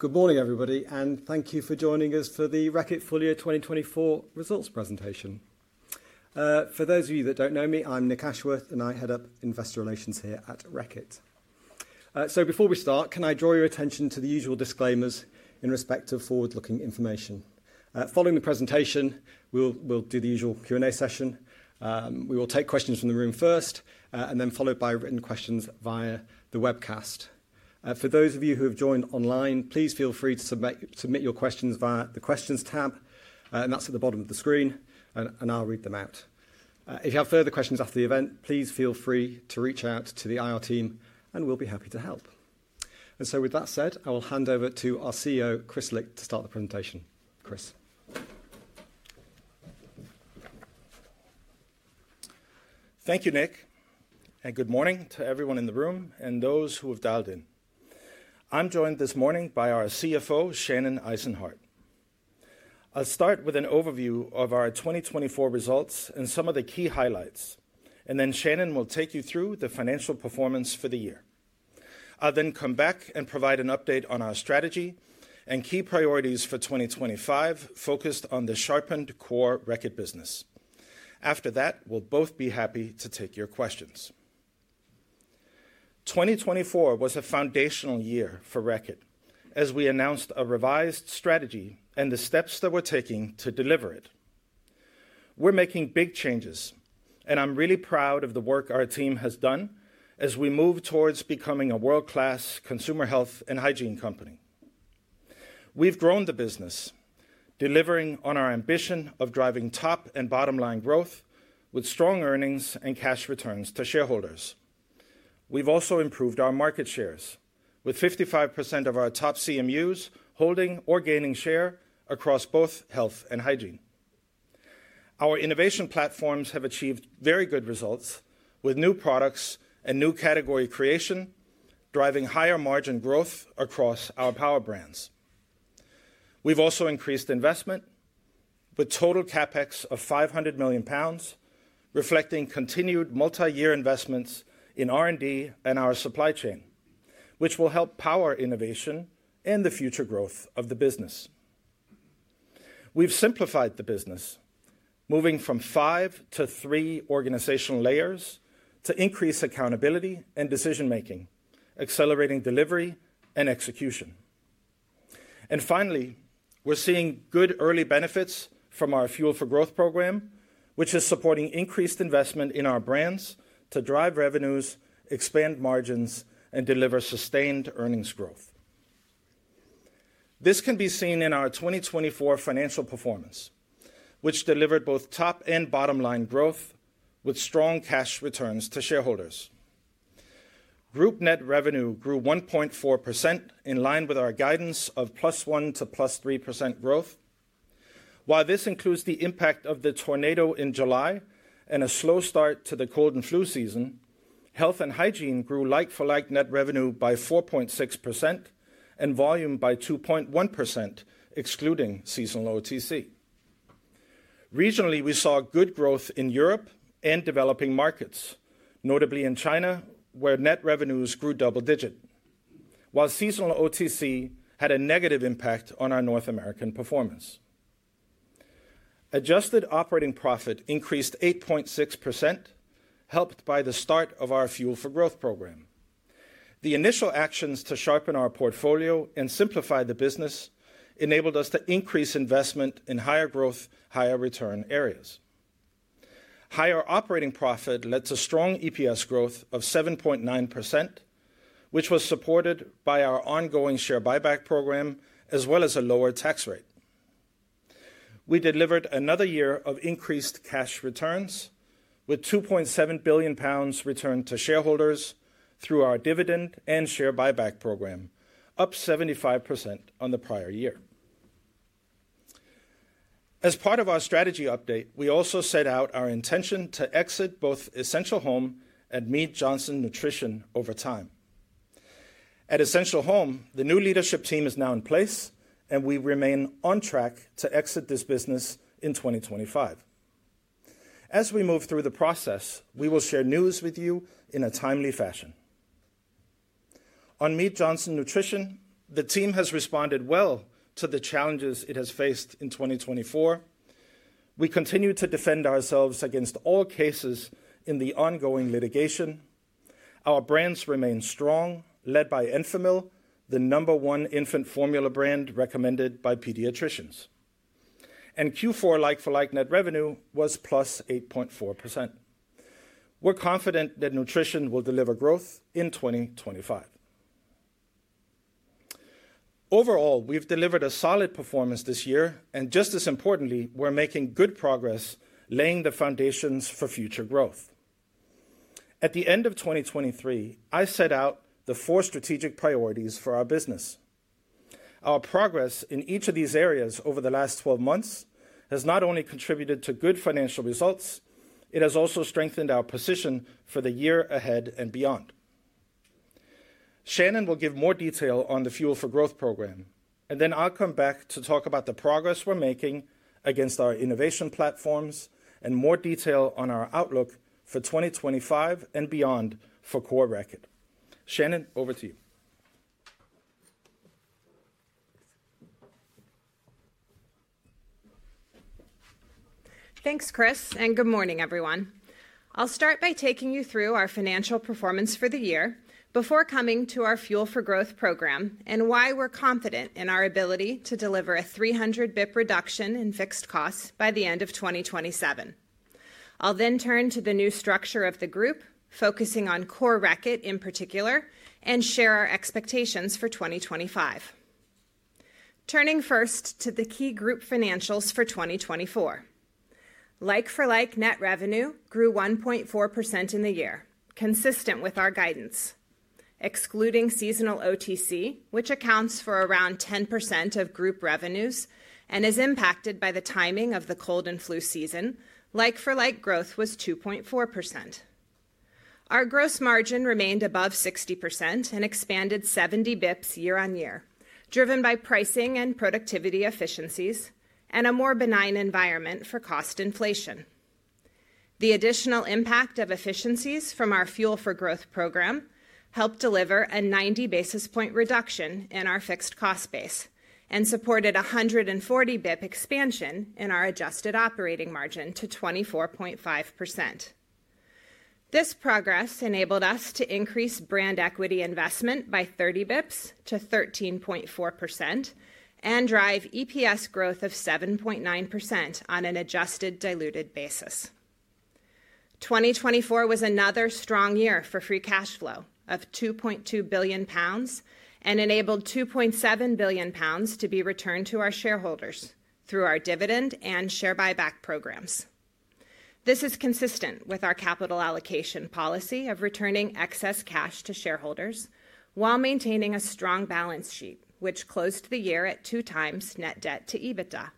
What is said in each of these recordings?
Good morning, everybody, and thank you for joining us for the Reckitt Full Year 2024 results presentation. For those of you that don't know me, I'm Nick Ashworth, and I head up investor relations here at Reckitt. So before we start, can I draw your attention to the usual disclaimers in respect of forward-looking information? Following the presentation, we'll do the usual Q&A session. We will take questions from the room first, and then followed by written questions via the webcast. For those of you who have joined online, please feel free to submit your questions via the questions tab, and that's at the bottom of the screen, and I'll read them out. If you have further questions after the event, please feel free to reach out to the IR team, and we'll be happy to help. So with that said, I will hand over to our CEO, Kris Licht, to start the presentation. Kris. Thank you, Nick, and good morning to everyone in the room and those who have dialed in. I'm joined this morning by our CFO, Shannon Eisenhardt. I'll start with an overview of our 2024 results and some of the key highlights, and then Shannon will take you through the financial performance for the year. I'll then come back and provide an update on our strategy and key priorities for 2025, focused on the sharpened core Reckitt business. After that, we'll both be happy to take your questions. 2024 was a foundational year for Reckitt, as we announced a revised strategy and the steps that we're taking to deliver it. We're making big changes, and I'm really proud of the work our team has done as we move towards becoming a world-class consumer Health and Hygiene company. We've grown the business, delivering on our ambition of driving top and bottom line growth with strong earnings and cash returns to shareholders. We've also improved our market shares, with 55% of our top CMUs holding or gaining share across both Health and Hygiene. Our innovation platforms have achieved very good results, with new products and new category creation, driving higher margin growth across our power brands. We've also increased investment, with total CapEx of 500 million pounds, reflecting continued multi-year investments in R&D and our supply chain, which will help power innovation and the future growth of the business. We've simplified the business, moving from five to three organizational layers to increase accountability and decision-making, accelerating delivery and execution. And finally, we're seeing good early benefits from our Fuel for Growth program, which is supporting increased investment in our brands to drive revenues, expand margins, and deliver sustained earnings growth. This can be seen in our 2024 financial performance, which delivered both top and bottom line growth, with strong cash returns to shareholders. Group net revenue grew 1.4%, in line with our guidance of +1% to +3% growth. While this includes the impact of the tornado in July and a slow start to the cold and flu season, Health and Hygiene grew like-for-like net revenue by 4.6% and volume by 2.1%, excluding seasonal OTC. Regionally, we saw good growth in Europe and developing markets, notably in China, where net revenues grew double-digit, while seasonal OTC had a negative impact on our North American performance. Adjusted operating profit increased 8.6%, helped by the start of our Fuel for Growth program. The initial actions to sharpen our portfolio and simplify the business enabled us to increase investment in higher growth, higher return areas. Higher operating profit led to strong EPS growth of 7.9%, which was supported by our ongoing share buyback program, as well as a lower tax rate. We delivered another year of increased cash returns, with 2.7 billion pounds returned to shareholders through our dividend and share buyback program, up 75% on the prior year. As part of our strategy update, we also set out our intention to exit both Essential Home and Mead Johnson Nutrition over time. At Essential Home, the new leadership team is now in place, and we remain on track to exit this business in 2025. As we move through the process, we will share news with you in a timely fashion. On Mead Johnson Nutrition, the team has responded well to the challenges it has faced in 2024. We continue to defend ourselves against all cases in the ongoing litigation. Our brands remain strong, led by Enfamil, the number one infant formula brand recommended by pediatricians, and Q4 Like-for-Like net revenue was plus 8.4%. We're confident that Nutrition will deliver growth in 2025. Overall, we've delivered a solid performance this year, and just as importantly, we're making good progress, laying the foundations for future growth. At the end of 2023, I set out the four strategic priorities for our business. Our progress in each of these areas over the last 12 months has not only contributed to good financial results, it has also strengthened our position for the year ahead and beyond. Shannon will give more detail on the Fuel for Growth program, and then I'll come back to talk about the progress we're making against our innovation platforms and more detail on our outlook for 2025 and beyond for Core Reckitt. Shannon, over to you. Thanks, Kris, and good morning, everyone. I'll start by taking you through our financial performance for the year before coming to our Fuel for Growth program and why we're confident in our ability to deliver a 300 basis point reduction in fixed costs by the end of 2027. I'll then turn to the new structure of the group, focusing on Core Reckitt in particular, and share our expectations for 2025. Turning first to the key group financials for 2024. Like-for-like net revenue grew 1.4% in the year, consistent with our guidance. Excluding seasonal OTC, which accounts for around 10% of group revenues and is impacted by the timing of the cold and flu season, like-for-like growth was 2.4%. Our gross margin remained above 60% and expanded 70 basis points year-on-year, driven by pricing and productivity efficiencies and a more benign environment for cost inflation. The additional impact of efficiencies from our Fuel for Growth program helped deliver a 90 basis point reduction in our fixed cost base and supported a 140 basis point expansion in our adjusted operating margin to 24.5%. This progress enabled us to increase brand equity investment by 30 basis points to 13.4% and drive EPS growth of 7.9% on an adjusted diluted basis. 2024 was another strong year for free cash flow of 2.2 billion pounds and enabled 2.7 billion pounds to be returned to our shareholders through our dividend and share buyback programs. This is consistent with our capital allocation policy of returning excess cash to shareholders while maintaining a strong balance sheet, which closed the year at two times net debt to EBITDA.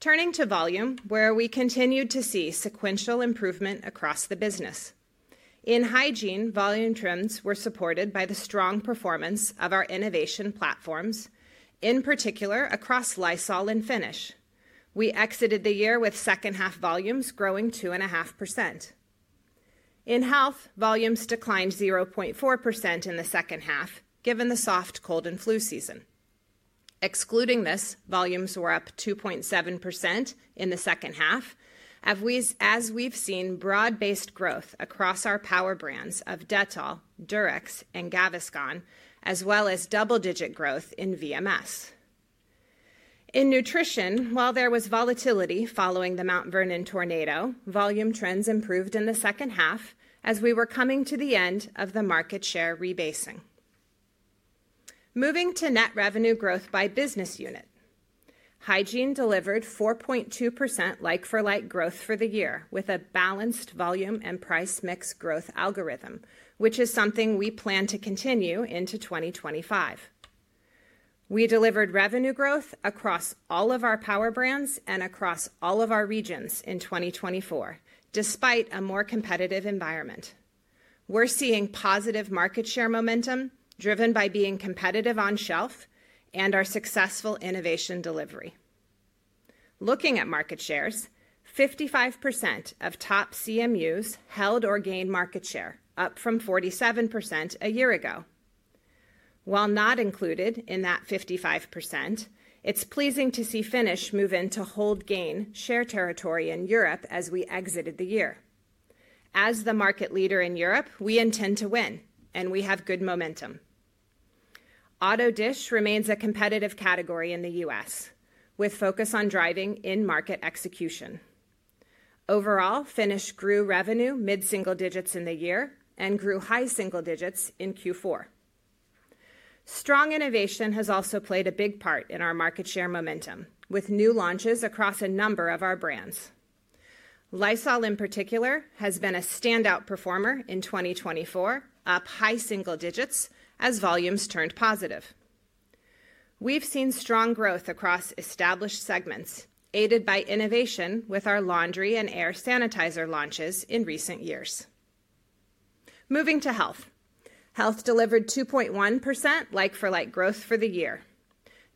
Turning to volume, where we continued to see sequential improvement across the business. In Hygiene, volume trends were supported by the strong performance of our innovation platforms, in particular across Lysol and Finish. We exited the year with second-half volumes growing 2.5%. In health, volumes declined 0.4% in the second half, given the soft cold and flu season. Excluding this, volumes were up 2.7% in the second half, as we've seen broad-based growth across our power brands of Dettol, Durex, and Gaviscon, as well as double-digit growth in VMS. In nutrition, while there was volatility following the Mount Vernon tornado, volume trends improved in the second half as we were coming to the end of the market share rebasing. Moving to net revenue growth by business unit, Hygiene delivered 4.2% like-for-like growth for the year with a balanced volume and price mix growth algorithm, which is something we plan to continue into 2025. We delivered revenue growth across all of our power brands and across all of our regions in 2024, despite a more competitive environment. We're seeing positive market share momentum driven by being competitive on shelf and our successful innovation delivery. Looking at market shares, 55% of top CMUs held or gained market share, up from 47% a year ago. While not included in that 55%, it's pleasing to see Finish move into hold-gain share territory in Europe as we exited the year. As the market leader in Europe, we intend to win, and we have good momentum. Autodish remains a competitive category in the U.S., with focus on driving in-market execution. Overall, Finish grew revenue mid-single digits in the year and grew high single digits in Q4. Strong innovation has also played a big part in our market share momentum, with new launches across a number of our brands. Lysol, in particular, has been a standout performer in 2024, up high single digits as volumes turned positive. We've seen strong growth across established segments, aided by innovation with our laundry and air sanitizer launches in recent years. Moving to health, health delivered 2.1% like-for-like growth for the year.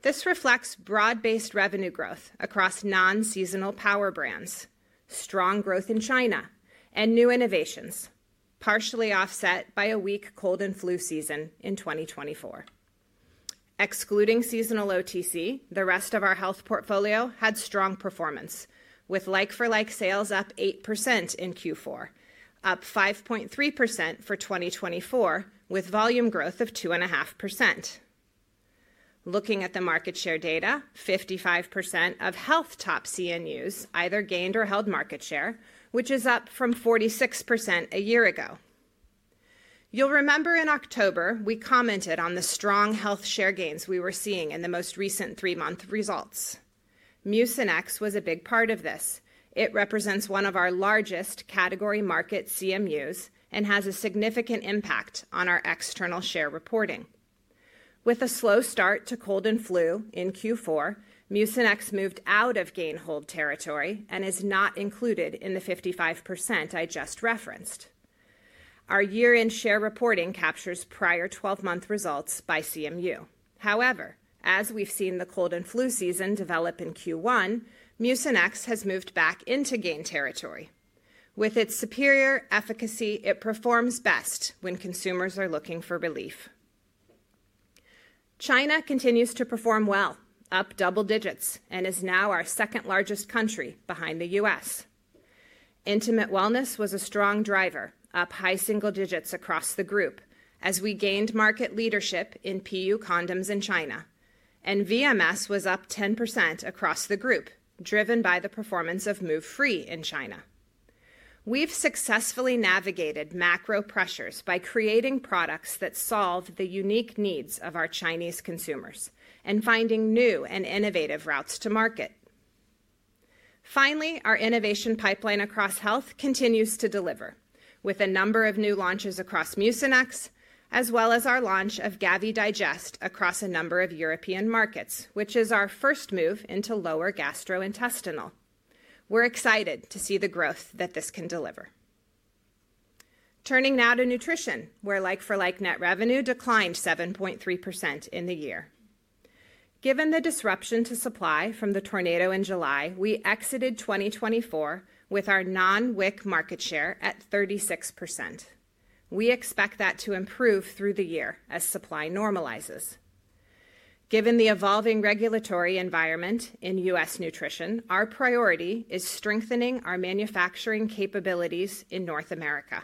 This reflects broad-based revenue growth across non-seasonal power brands, strong growth in China, and new innovations, partially offset by a weak cold and flu season in 2024. Excluding seasonal OTC, the rest of our health portfolio had strong performance, with like-for-like sales up 8% in Q4, up 5.3% for 2024, with volume growth of 2.5%. Looking at the market share data, 55% of health top CMUs either gained or held market share, which is up from 46% a year ago. You'll remember in October, we commented on the strong health share gains we were seeing in the most recent three-month results. Mucinex was a big part of this. It represents one of our largest category market CMUs and has a significant impact on our external share reporting. With a slow start to cold and flu in Q4, Mucinex moved out of gain-hold territory and is not included in the 55% I just referenced. Our year-end share reporting captures prior 12-month results by CMU. However, as we've seen the cold and flu season develop in Q1, Mucinex has moved back into gain territory. With its superior efficacy, it performs best when consumers are looking for relief. China continues to perform well, up double digits, and is now our second-largest country, behind the US. Intimate Wellness was a strong driver, up high single digits across the group, as we gained market leadership in PU condoms in China, and VMS was up 10% across the group, driven by the performance of Move Free in China. We've successfully navigated macro pressures by creating products that solve the unique needs of our Chinese consumers and finding new and innovative routes to market. Finally, our innovation pipeline across health continues to deliver, with a number of new launches across Mucinex, as well as our launch of GaviDigest across a number of European markets, which is our first move into lower gastrointestinal. We're excited to see the growth that this can deliver. Turning now to nutrition, where like-for-like net revenue declined 7.3% in the year. Given the disruption to supply from the tornado in July, we exited 2024 with our non-WIC market share at 36%. We expect that to improve through the year as supply normalizes. Given the evolving regulatory environment in U.S. nutrition, our priority is strengthening our manufacturing capabilities in North America.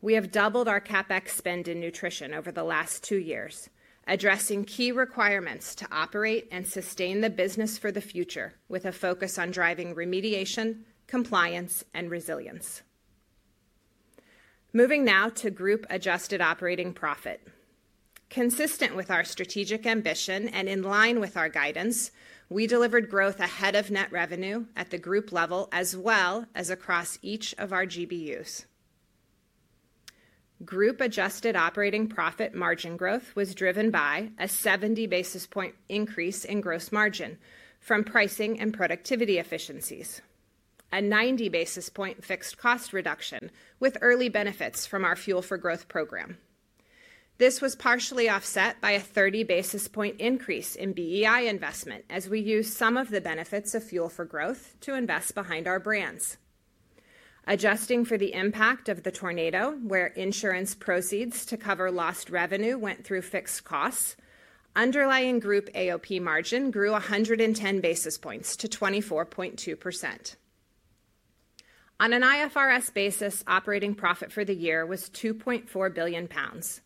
We have doubled our CapEx spend in nutrition over the last two years, addressing key requirements to operate and sustain the business for the future, with a focus on driving remediation, compliance, and resilience. Moving now to group adjusted operating profit. Consistent with our strategic ambition and in line with our guidance, we delivered growth ahead of net revenue at the group level as well as across each of our GBUs. Group adjusted operating profit margin growth was driven by a 70 basis point increase in gross margin from pricing and productivity efficiencies, a 90 basis point fixed cost reduction with early benefits from our Fuel for Growth program. This was partially offset by a 30 basis point increase in BEI investment as we used some of the benefits of Fuel for Growth to invest behind our brands. Adjusting for the impact of the tornado, where insurance proceeds to cover lost revenue went through fixed costs, underlying group AOP margin grew 110 basis points to 24.2%. On an IFRS basis, operating profit for the year was 2.4 billion pounds.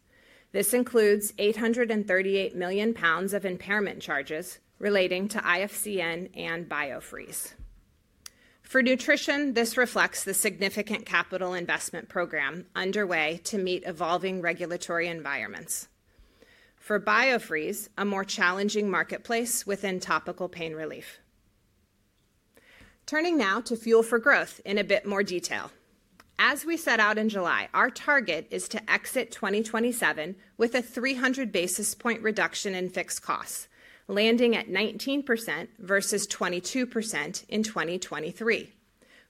This includes 838 million pounds of impairment charges relating to IFCN and Biofreeze. For nutrition, this reflects the significant capital investment program underway to meet evolving regulatory environments. For Biofreeze, a more challenging marketplace within topical pain relief. Turning now to Fuel for Growth in a bit more detail. As we set out in July, our target is to exit 2027 with a 300 basis point reduction in fixed costs, landing at 19% versus 22% in 2023.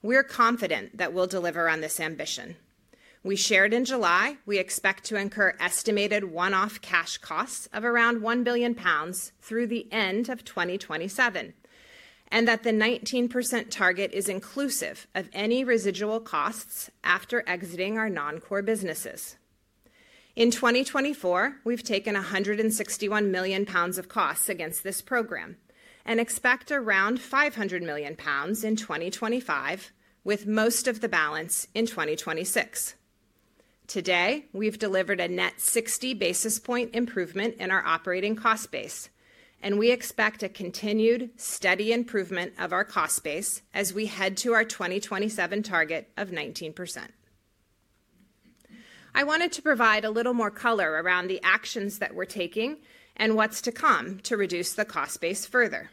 We're confident that we'll deliver on this ambition. We shared in July we expect to incur estimated one-off cash costs of around £1 billion through the end of 2027, and that the 19% target is inclusive of any residual costs after exiting our non-core businesses. In 2024, we've taken 161 million pounds of costs against this program and expect around 500 million pounds in 2025, with most of the balance in 2026. Today, we've delivered a net 60 basis point improvement in our operating cost base, and we expect a continued steady improvement of our cost base as we head to our 2027 target of 19%. I wanted to provide a little more color around the actions that we're taking and what's to come to reduce the cost base further.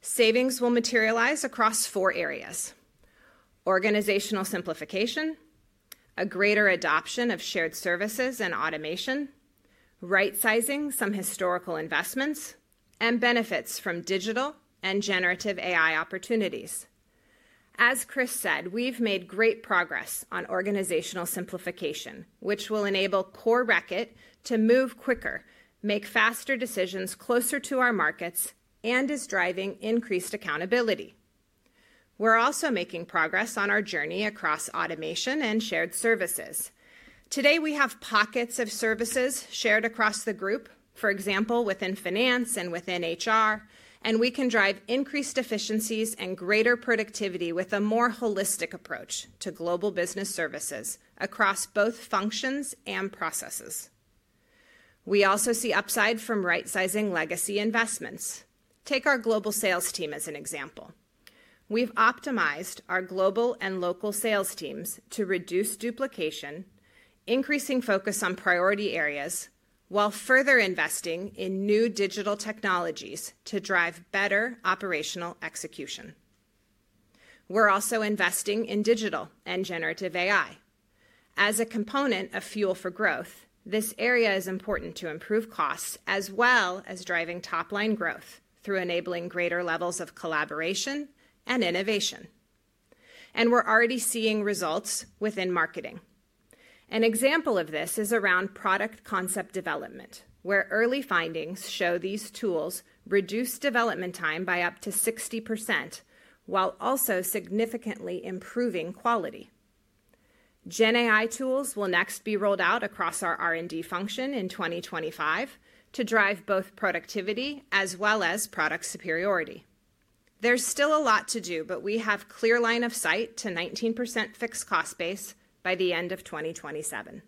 Savings will materialize across four areas: organizational simplification, a greater adoption of shared services and automation, right-sizing some historical investments, and benefits from digital and generative AI opportunities. As Kris said, we've made great progress on organizational simplification, which will enable Core Reckitt to move quicker, make faster decisions closer to our markets, and is driving increased accountability. We're also making progress on our journey across automation and shared services. Today, we have pockets of services shared across the group, for example, within finance and within HR, and we can drive increased efficiencies and greater productivity with a more holistic approach to global business services across both functions and processes. We also see upside from right-sizing legacy investments. Take our global sales team as an example. We've optimized our global and local sales teams to reduce duplication, increasing focus on priority areas, while further investing in new digital technologies to drive better operational execution. We're also investing in digital and generative AI. As a component of Fuel for Growth, this area is important to improve costs as well as driving top-line growth through enabling greater levels of collaboration and innovation, and we're already seeing results within marketing. An example of this is around product concept development, where early findings show these tools reduce development time by up to 60% while also significantly improving quality. GenAI tools will next be rolled out across our R&D function in 2025 to drive both productivity as well as product superiority. There's still a lot to do, but we have clear line of sight to 19% fixed cost base by the end of 2027.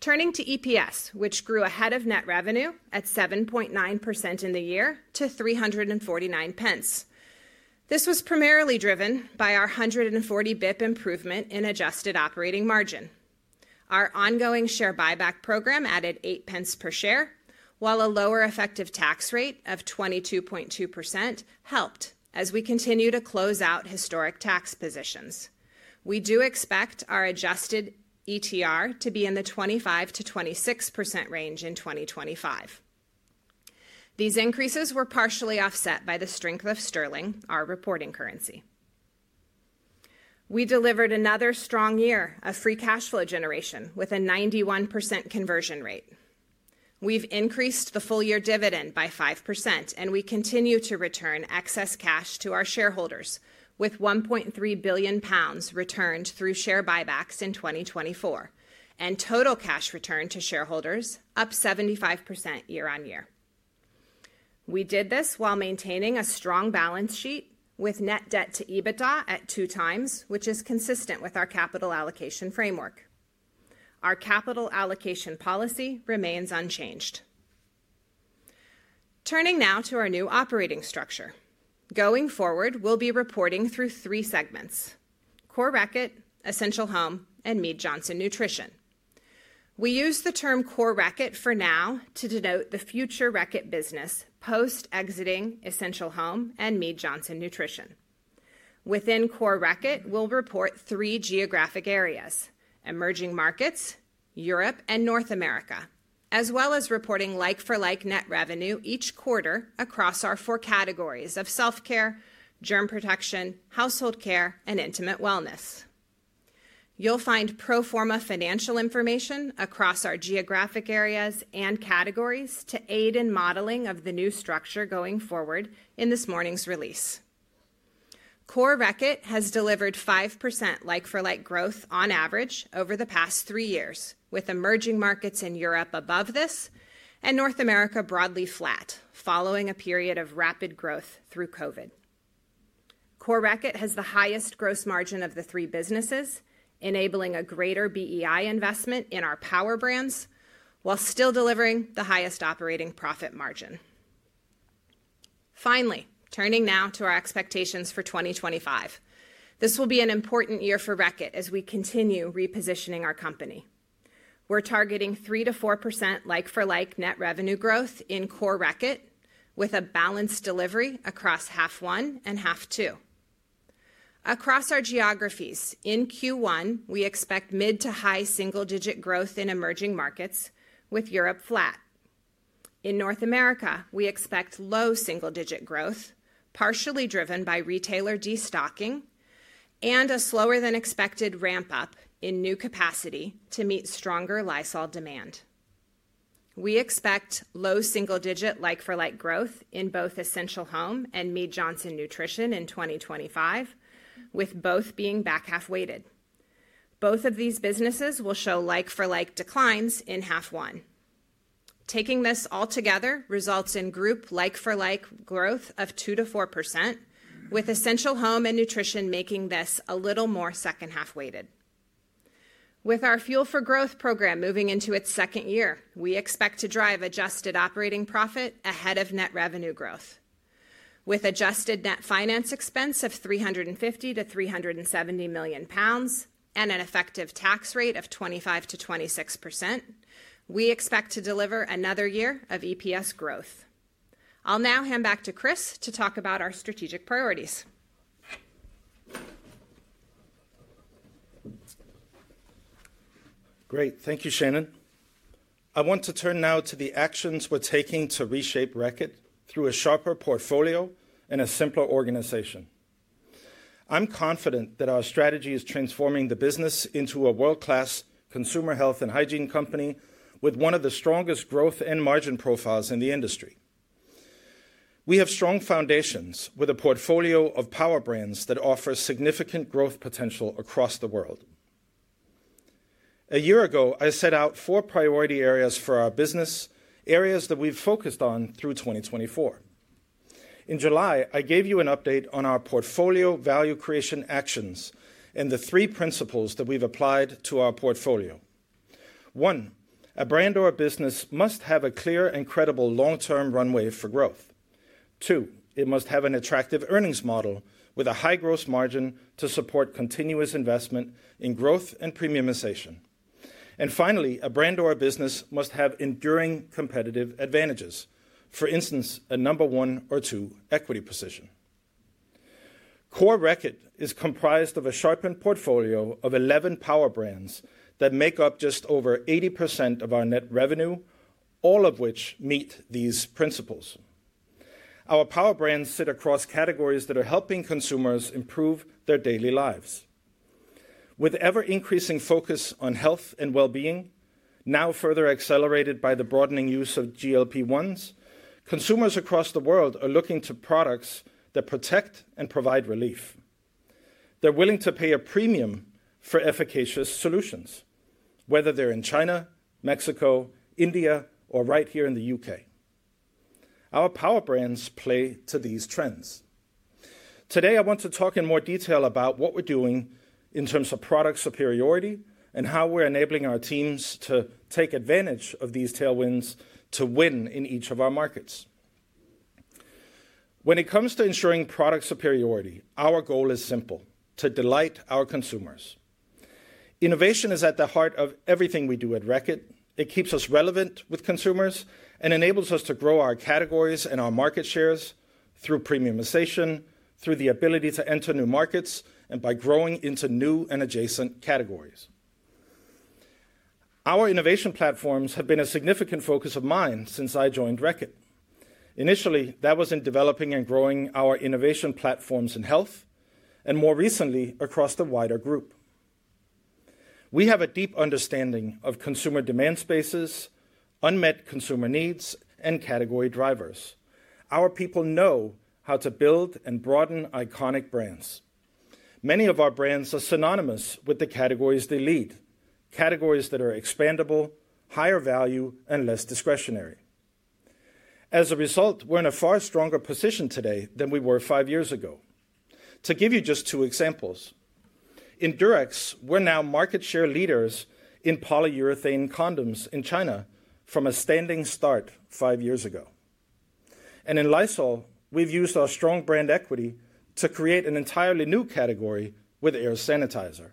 Turning to EPS, which grew ahead of net revenue at 7.9% in the year to 349. This was primarily driven by our 140 basis points improvement in adjusted operating margin. Our ongoing share buyback program added 0.08 per share, while a lower effective tax rate of 22.2% helped as we continue to close out historic tax positions. We do expect our adjusted ETR to be in the 25%-26% range in 2025. These increases were partially offset by the strength of sterling, our reporting currency. We delivered another strong year of free cash flow generation with a 91% conversion rate. We've increased the full-year dividend by 5%, and we continue to return excess cash to our shareholders, with 1.3 billion pounds returned through share buybacks in 2024 and total cash returned to shareholders, up 75% year-on-year. We did this while maintaining a strong balance sheet with net debt to EBITDA at two times, which is consistent with our capital allocation framework. Our capital allocation policy remains unchanged. Turning now to our new operating structure. Going forward, we'll be reporting through three segments: Core Reckitt, Essential Home, and Mead Johnson Nutrition. We use the term Core Reckitt for now to denote the future Reckitt business post-exiting Essential Home and Mead Johnson Nutrition. Within Core Reckitt, we'll report three geographic areas: emerging markets, Europe, and North America, as well as reporting like-for-like net revenue each quarter across our four categories of Self-Care, Germ Protection, Household care, and Intimate Wellness. You'll find pro forma financial information across our geographic areas and categories to aid in modeling of the new structure going forward in this morning's release. Core Reckitt has delivered 5% like-for-like growth on average over the past three years, with emerging markets in Europe above this and North America broadly flat following a period of rapid growth through COVID. Core Reckitt has the highest gross margin of the three businesses, enabling a greater BEI investment in our power brands while still delivering the highest operating profit margin. Finally, turning now to our expectations for 2025. This will be an important year for Reckitt as we continue repositioning our company. We're targeting 3%-4% like-for-like net revenue growth in Core Reckitt with a balanced delivery across half one and half two. Across our geographies, in Q1, we expect mid to high single-digit growth in emerging markets, with Europe flat. In North America, we expect low single-digit growth, partially driven by retailer destocking, and a slower-than-expected ramp-up in new capacity to meet stronger Lysol demand. We expect low single-digit like-for-like growth in both Essential Home and Mead Johnson Nutrition in 2025, with both being back-half weighted. Both of these businesses will show like-for-like declines in half one. Taking this all together results in group like-for-like growth of 2% to 4%, with Essential Home and Nutrition making this a little more second-half weighted. With our Fuel for Growth program moving into its second year, we expect to drive adjusted operating profit ahead of net revenue growth. With adjusted net finance expense of 350 million-370 million pounds and an effective tax rate of 25% to 26%, we expect to deliver another year of EPS growth. I'll now hand back to Kris to talk about our strategic priorities. Great. Thank you, Shannon. I want to turn now to the actions we're taking to reshape Reckitt through a sharper portfolio and a simpler organization. I'm confident that our strategy is transforming the business into a world-class consumer health and Hygiene company with one of the strongest growth and margin profiles in the industry. We have strong foundations with a portfolio of power brands that offer significant growth potential across the world. A year ago, I set out four priority areas for our business, areas that we've focused on through 2024. In July, I gave you an update on our portfolio value creation actions and the three principles that we've applied to our portfolio. One, a brand or a business must have a clear and credible long-term runway for growth. Two, it must have an attractive earnings model with a high gross margin to support continuous investment in growth and premiumization. And finally, a brand or a business must have enduring competitive advantages, for instance, a number one or two equity position. Core Reckitt is comprised of a sharpened portfolio of 11 power brands that make up just over 80% of our net revenue, all of which meet these principles. Our power brands sit across categories that are helping consumers improve their daily lives. With ever-increasing focus on health and well-being, now further accelerated by the broadening use of GLP-1s, consumers across the world are looking to products that protect and provide relief. They're willing to pay a premium for efficacious solutions, whether they're in China, Mexico, India, or right here in the UK. Our power brands play to these trends. Today, I want to talk in more detail about what we're doing in terms of product superiority and how we're enabling our teams to take advantage of these tailwinds to win in each of our markets. When it comes to ensuring product superiority, our goal is simple: to delight our consumers. Innovation is at the heart of everything we do at Reckitt. It keeps us relevant with consumers and enables us to grow our categories and our market shares through premiumization, through the ability to enter new markets, and by growing into new and adjacent categories. Our innovation platforms have been a significant focus of mine since I joined Reckitt. Initially, that was in developing and growing our innovation platforms in health and more recently across the wider group. We have a deep understanding of consumer demand spaces, unmet consumer needs, and category drivers. Our people know how to build and broaden iconic brands. Many of our brands are synonymous with the categories they lead: categories that are expandable, higher value, and less discretionary. As a result, we're in a far stronger position today than we were five years ago. To give you just two examples, in Durex, we're now market share leaders in polyurethane condoms in China from a standing start five years ago. And in Lysol, we've used our strong brand equity to create an entirely new category with air sanitizer.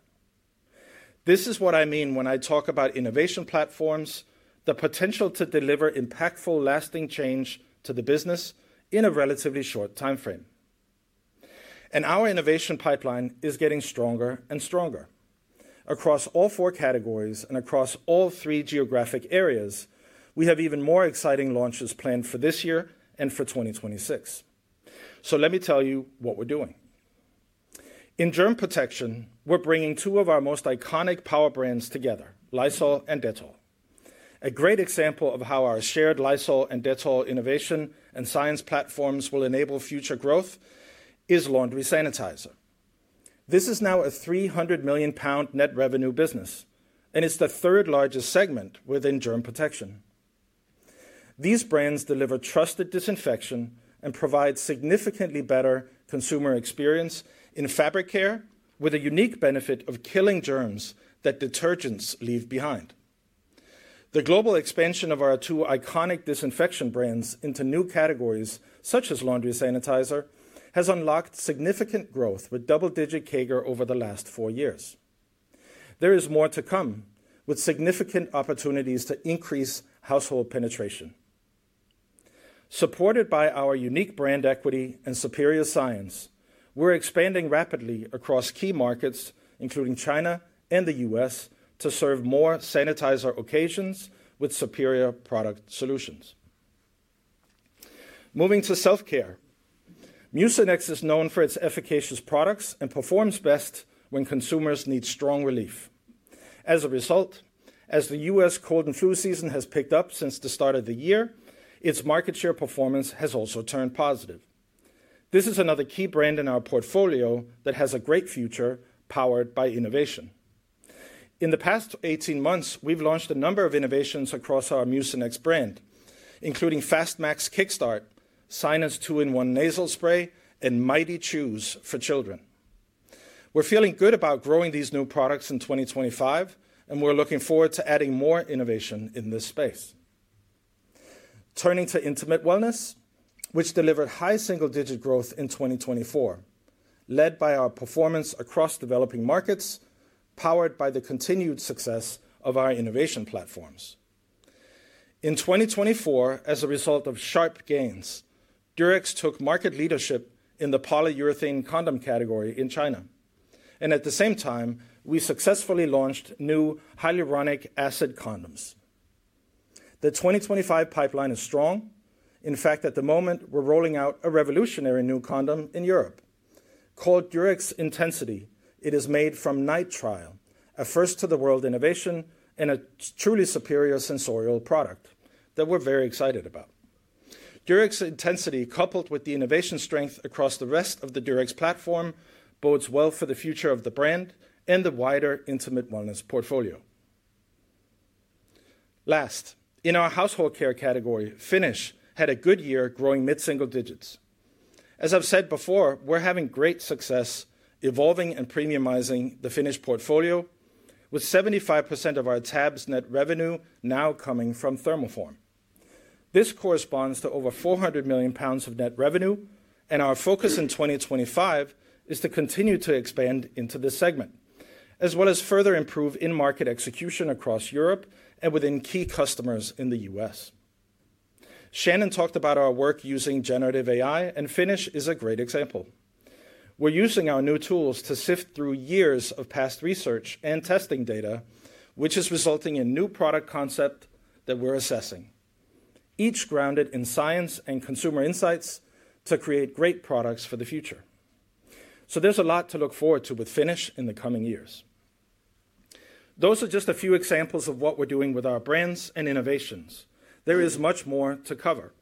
This is what I mean when I talk about innovation platforms: the potential to deliver impactful, lasting change to the business in a relatively short timeframe. And our innovation pipeline is getting stronger and stronger. Across all four categories and across all three geographic areas, we have even more exciting launches planned for this year and for 2026. So let me tell you what we're doing. In germ protection, we're bringing two of our most iconic power brands together: Lysol and Dettol. A great example of how our shared Lysol and Dettol innovation and science platforms will enable future growth is laundry sanitizer. This is now a 300 million pound net revenue business, and it's the third largest segment within germ protection. These brands deliver trusted disinfection and provide significantly better consumer experience in fabric care, with a unique benefit of killing germs that detergents leave behind. The global expansion of our two iconic disinfection brands into new categories such as laundry sanitizer has unlocked significant growth with double-digit CAGR over the last four years. There is more to come, with significant opportunities to increase household penetration. Supported by our unique brand equity and superior science, we're expanding rapidly across key markets, including China and the U.S., to serve more sanitizer occasions with superior product solutions. Moving to Self-Care, Mucinex is known for its efficacious products and performs best when consumers need strong relief. As a result, as the U.S. cold and flu season has picked up since the start of the year, its market share performance has also turned positive. This is another key brand in our portfolio that has a great future powered by innovation. In the past 18 months, we've launched a number of innovations across our Mucinex brand, including Fast-Max Kickstart, Sinus 2-in-1 Nasal Spray, and Mighty Chews for children. We're feeling good about growing these new products in 2025, and we're looking forward to adding more innovation in this space. Turning to Intimate Wellness, which delivered high single-digit growth in 2024, led by our performance across developing markets, powered by the continued success of our innovation platforms. In 2024, as a result of sharp gains, Durex took market leadership in the polyurethane condom category in China, and at the same time, we successfully launched new hyaluronic acid condoms. The 2025 pipeline is strong. In fact, at the moment, we're rolling out a revolutionary new condom in Europe. Called Durex Intensity, it is made from nitrile, a first-to-the-world innovation, and a truly superior sensorial product that we're very excited about. Durex Intensity, coupled with the innovation strength across the rest of the Durex platform, bodes well for the future of the brand and the wider Intimate Wellness portfolio. Last, in our household care category, Finish had a good year growing mid-single digits. As I've said before, we're having great success evolving and premiumizing the Finish portfolio, with 75% of our tabs net revenue now coming from thermoform. This corresponds to over 400 million pounds of net revenue, and our focus in 2025 is to continue to expand into this segment, as well as further improve in-market execution across Europe and within key customers in the US. Shannon talked about our work using generative AI, and Finish is a great example. We're using our new tools to sift through years of past research and testing data, which is resulting in new product concepts that we're assessing, each grounded in science and consumer insights to create great products for the future. So there's a lot to look forward to with Finish in the coming years. Those are just a few examples of what we're doing with our brands and innovations. There is much more to cover.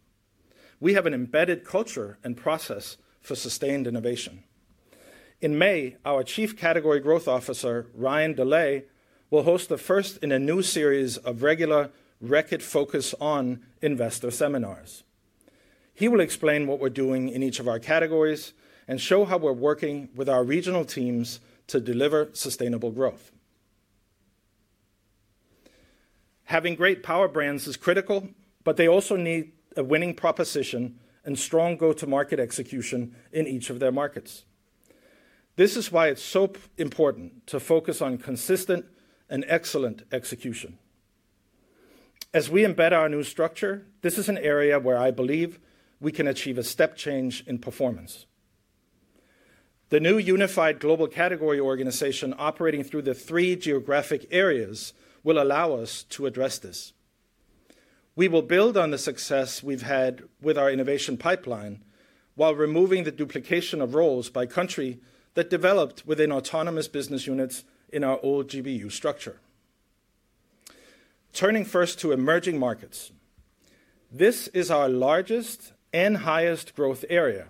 We have an embedded culture and process for sustained innovation. In May, our Chief Category Growth Officer, Ryan Djani, will host the first in a new series of regular Reckitt-focused investor seminars. He will explain what we're doing in each of our categories and show how we're working with our regional teams to deliver sustainable growth. Having great power brands is critical, but they also need a winning proposition and strong go-to-market execution in each of their markets. This is why it's so important to focus on consistent and excellent execution. As we embed our new structure, this is an area where I believe we can achieve a step change in performance. The new unified global category organization operating through the three geographic areas will allow us to address this. We will build on the success we've had with our innovation pipeline while removing the duplication of roles by country that developed within autonomous business units in our old GBU structure. Turning first to emerging markets, this is our largest and highest growth area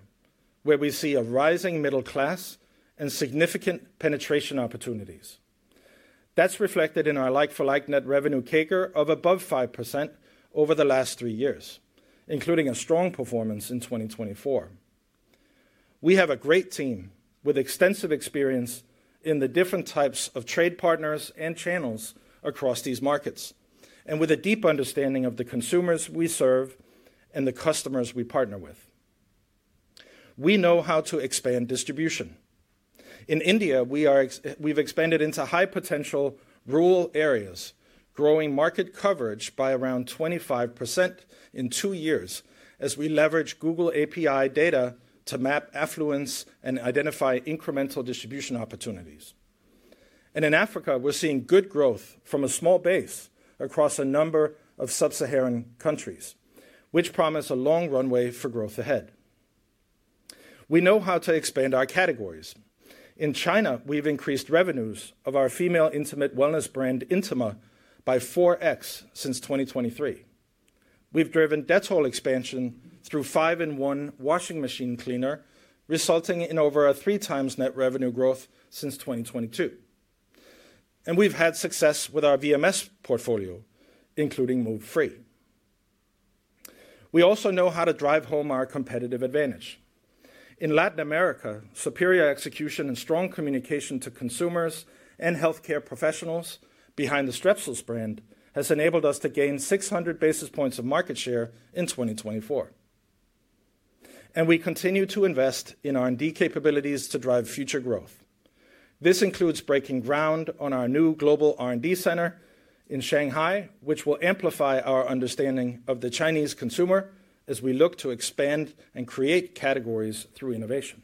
where we see a rising middle class and significant penetration opportunities. That's reflected in our like-for-like net revenue CAGR of above 5% over the last three years, including a strong performance in 2024. We have a great team with extensive experience in the different types of trade partners and channels across these markets, and with a deep understanding of the consumers we serve and the customers we partner with. We know how to expand distribution. In India, we've expanded into high-potential rural areas, growing market coverage by around 25% in two years as we leverage Google API data to map affluence and identify incremental distribution opportunities, and in Africa, we're seeing good growth from a small base across a number of sub-Saharan countries, which promise a long runway for growth ahead. We know how to expand our categories. In China, we've increased revenues of our female Intimate Wellness brand, Intima, by 4x since 2023. We've driven Dettol expansion through 5-in-1 washing machine cleaner, resulting in over a three-times net revenue growth since 2022. And we've had success with our VMS portfolio, including Move Free. We also know how to drive home our competitive advantage. In Latin America, superior execution and strong communication to consumers and healthcare professionals behind the Strepsils brand has enabled us to gain 600 basis points of market share in 2024. And we continue to invest in R&D capabilities to drive future growth. This includes breaking ground on our new global R&D center in Shanghai, which will amplify our understanding of the Chinese consumer as we look to expand and create categories through innovation.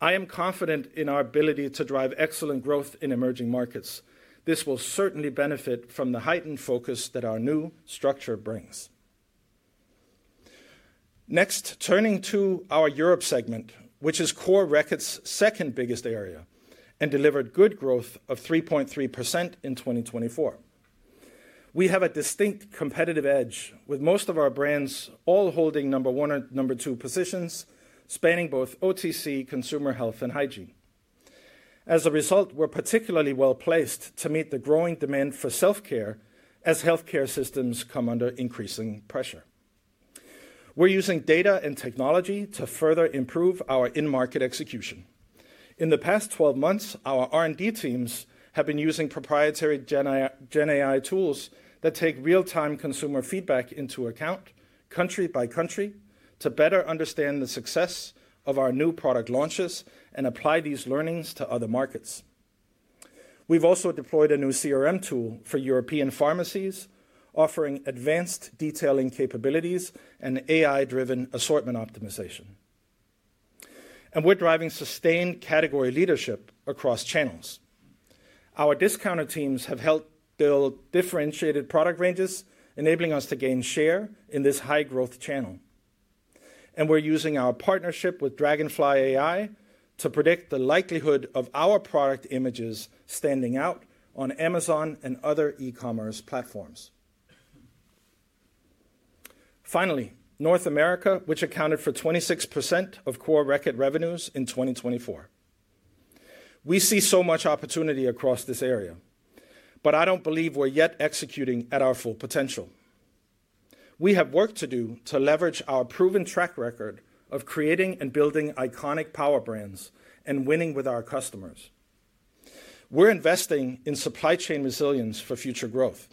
I am confident in our ability to drive excellent growth in emerging markets. This will certainly benefit from the heightened focus that our new structure brings. Next, turning to our Europe segment, which is Core Reckitt's second biggest area and delivered good growth of 3.3% in 2024. We have a distinct competitive edge with most of our brands all holding number one and number two positions, spanning both OTC, consumer Health, and Hygiene. As a result, we're particularly well placed to meet the growing demand for self-care as healthcare systems come under increasing pressure. We're using data and technology to further improve our in-market execution. In the past 12 months, our R&D teams have been using proprietary GenAI tools that take real-time consumer feedback into account country by country to better understand the success of our new product launches and apply these learnings to other markets. We've also deployed a new CRM tool for European pharmacies, offering advanced detailing capabilities and AI-driven assortment optimization, and we're driving sustained category leadership across channels. Our discounter teams have helped build differentiated product ranges, enabling us to gain share in this high-growth channel. And we're using our partnership with Dragonfly AI to predict the likelihood of our product images standing out on Amazon and other e-commerce platforms. Finally, North America, which accounted for 26% of Core Reckitt revenues in 2024. We see so much opportunity across this area, but I don't believe we're yet executing at our full potential. We have work to do to leverage our proven track record of creating and building iconic power brands and winning with our customers. We're investing in supply chain resilience for future growth.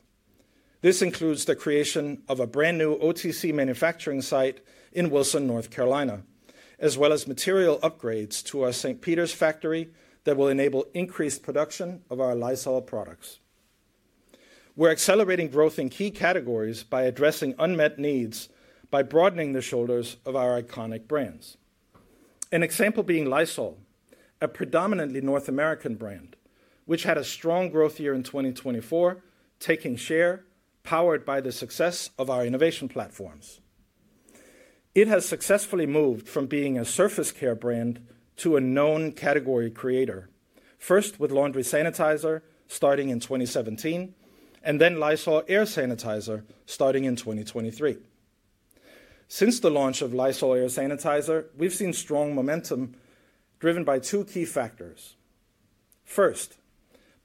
This includes the creation of a brand new OTC manufacturing site in Wilson, North Carolina, as well as material upgrades to our St. Peters factory that will enable increased production of our Lysol products. We're accelerating growth in key categories by addressing unmet needs by broadening the shoulders of our iconic brands. An example being Lysol, a predominantly North American brand, which had a strong growth year in 2024, taking share powered by the success of our innovation platforms. It has successfully moved from being a surface care brand to a known category creator, first with laundry sanitizer starting in 2017, and then Lysol Air Sanitizer starting in 2023. Since the launch of Lysol Air Sanitizer, we've seen strong momentum driven by two key factors. First,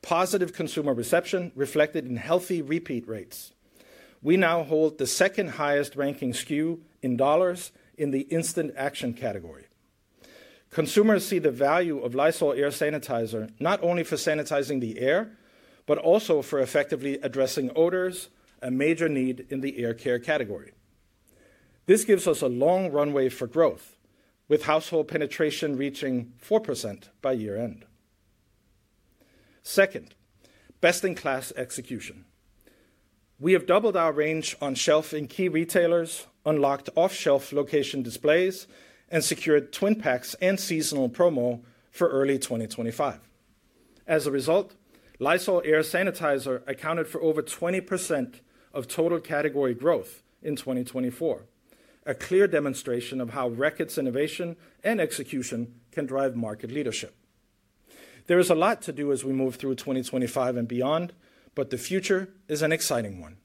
positive consumer reception reflected in healthy repeat rates. We now hold the second highest ranking SKU in dollars in the instant action category. Consumers see the value of Lysol Air Sanitizer not only for sanitizing the air, but also for effectively addressing odors, a major need in the air care category. This gives us a long runway for growth, with household penetration reaching 4% by year-end. Second, best-in-class execution. We have doubled our range on shelf in key retailers, unlocked off-shelf location displays, and secured twin packs and seasonal promo for early 2025. As a result, Lysol Air Sanitizer accounted for over 20% of total category growth in 2024, a clear demonstration of how Reckitt's innovation and execution can drive market leadership. There is a lot to do as we move through 2025 and beyond, but the future is an exciting one,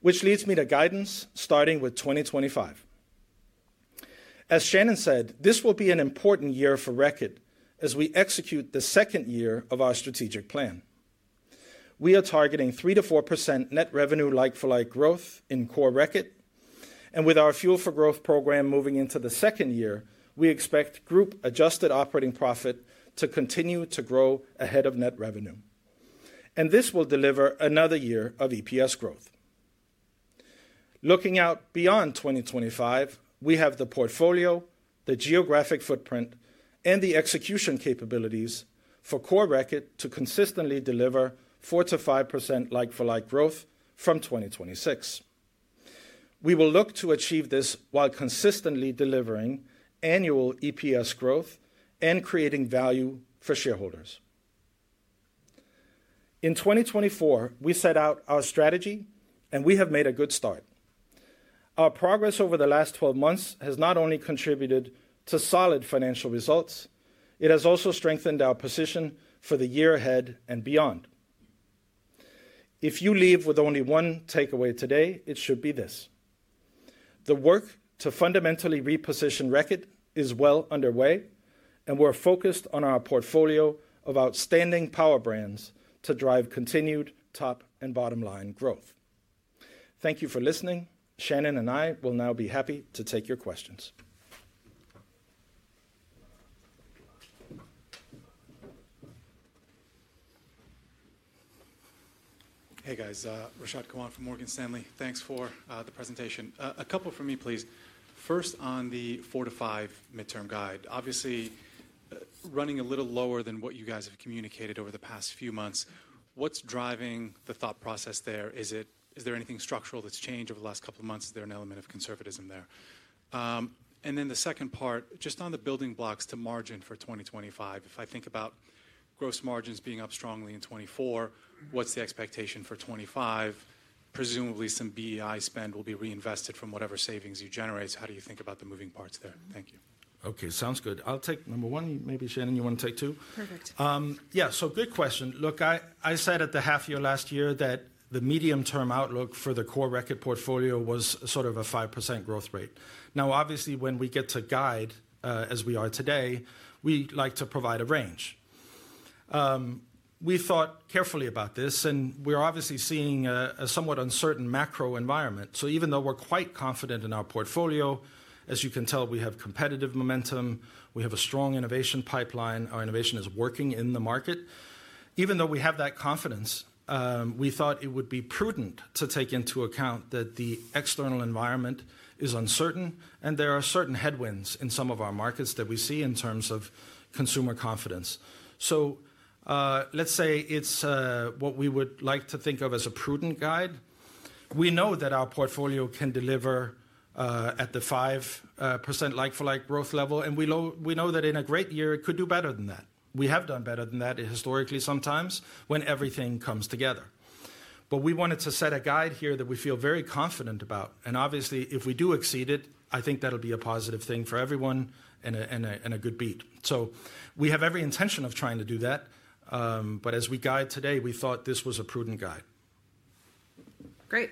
which leads me to guidance starting with 2025. As Shannon said, this will be an important year for Reckitt as we execute the second year of our strategic plan. We are targeting 3%-4% net revenue like-for-like growth in Core Reckitt. With our Fuel for Growth program moving into the second year, we expect group-adjusted operating profit to continue to grow ahead of net revenue. This will deliver another year of EPS growth. Looking out beyond 2025, we have the portfolio, the geographic footprint, and the execution capabilities for Core Reckitt to consistently deliver four to five% like-for-like growth from 2026. We will look to achieve this while consistently delivering annual EPS growth and creating value for shareholders. In 2024, we set out our strategy, and we have made a good start. Our progress over the last 12 months has not only contributed to solid financial results; it has also strengthened our position for the year ahead and beyond. If you leave with only one takeaway today, it should be this: the work to fundamentally reposition Reckitt is well underway, and we're focused on our portfolio of outstanding power brands to drive continued top and bottom line growth. Thank you for listening. Shannon and I will now be happy to take your questions. Hey, guys. Rashad Kawan from Morgan Stanley. Thanks for the presentation. A couple for me, please. First, on the four-to-five midterm guide, obviously running a little lower than what you guys have communicated over the past few months. What's driving the thought process there? Is there anything structural that's changed over the last couple of months? Is there an element of conservatism there? And then the second part, just on the building blocks to margin for 2025. If I think about gross margins being up strongly in 2024, what's the expectation for 2025? Presumably, some BEI spend will be reinvested from whatever savings you generate. So how do you think about the moving parts there? Thank you. Okay, sounds good. I'll take number one. Maybe Shannon, you want to take two? Perfect. Yeah, so good question. Look, I said at the half year last year that the medium-term outlook for the Core Reckitt portfolio was sort of a 5% growth rate. Now, obviously, when we get to guide, as we are today, we like to provide a range. We thought carefully about this, and we're obviously seeing a somewhat uncertain macro environment. So even though we're quite confident in our portfolio, as you can tell, we have competitive momentum, we have a strong innovation pipeline, our innovation is working in the market. Even though we have that confidence, we thought it would be prudent to take into account that the external environment is uncertain, and there are certain headwinds in some of our markets that we see in terms of consumer confidence. So let's say it's what we would like to think of as a prudent guide. We know that our portfolio can deliver at the 5% like-for-like growth level, and we know that in a great year, it could do better than that. We have done better than that historically sometimes when everything comes together. But we wanted to set a guide here that we feel very confident about. And obviously, if we do exceed it, I think that'll be a positive thing for everyone and a good beat. So we have every intention of trying to do that. But as we guide today, we thought this was a prudent guide. Great.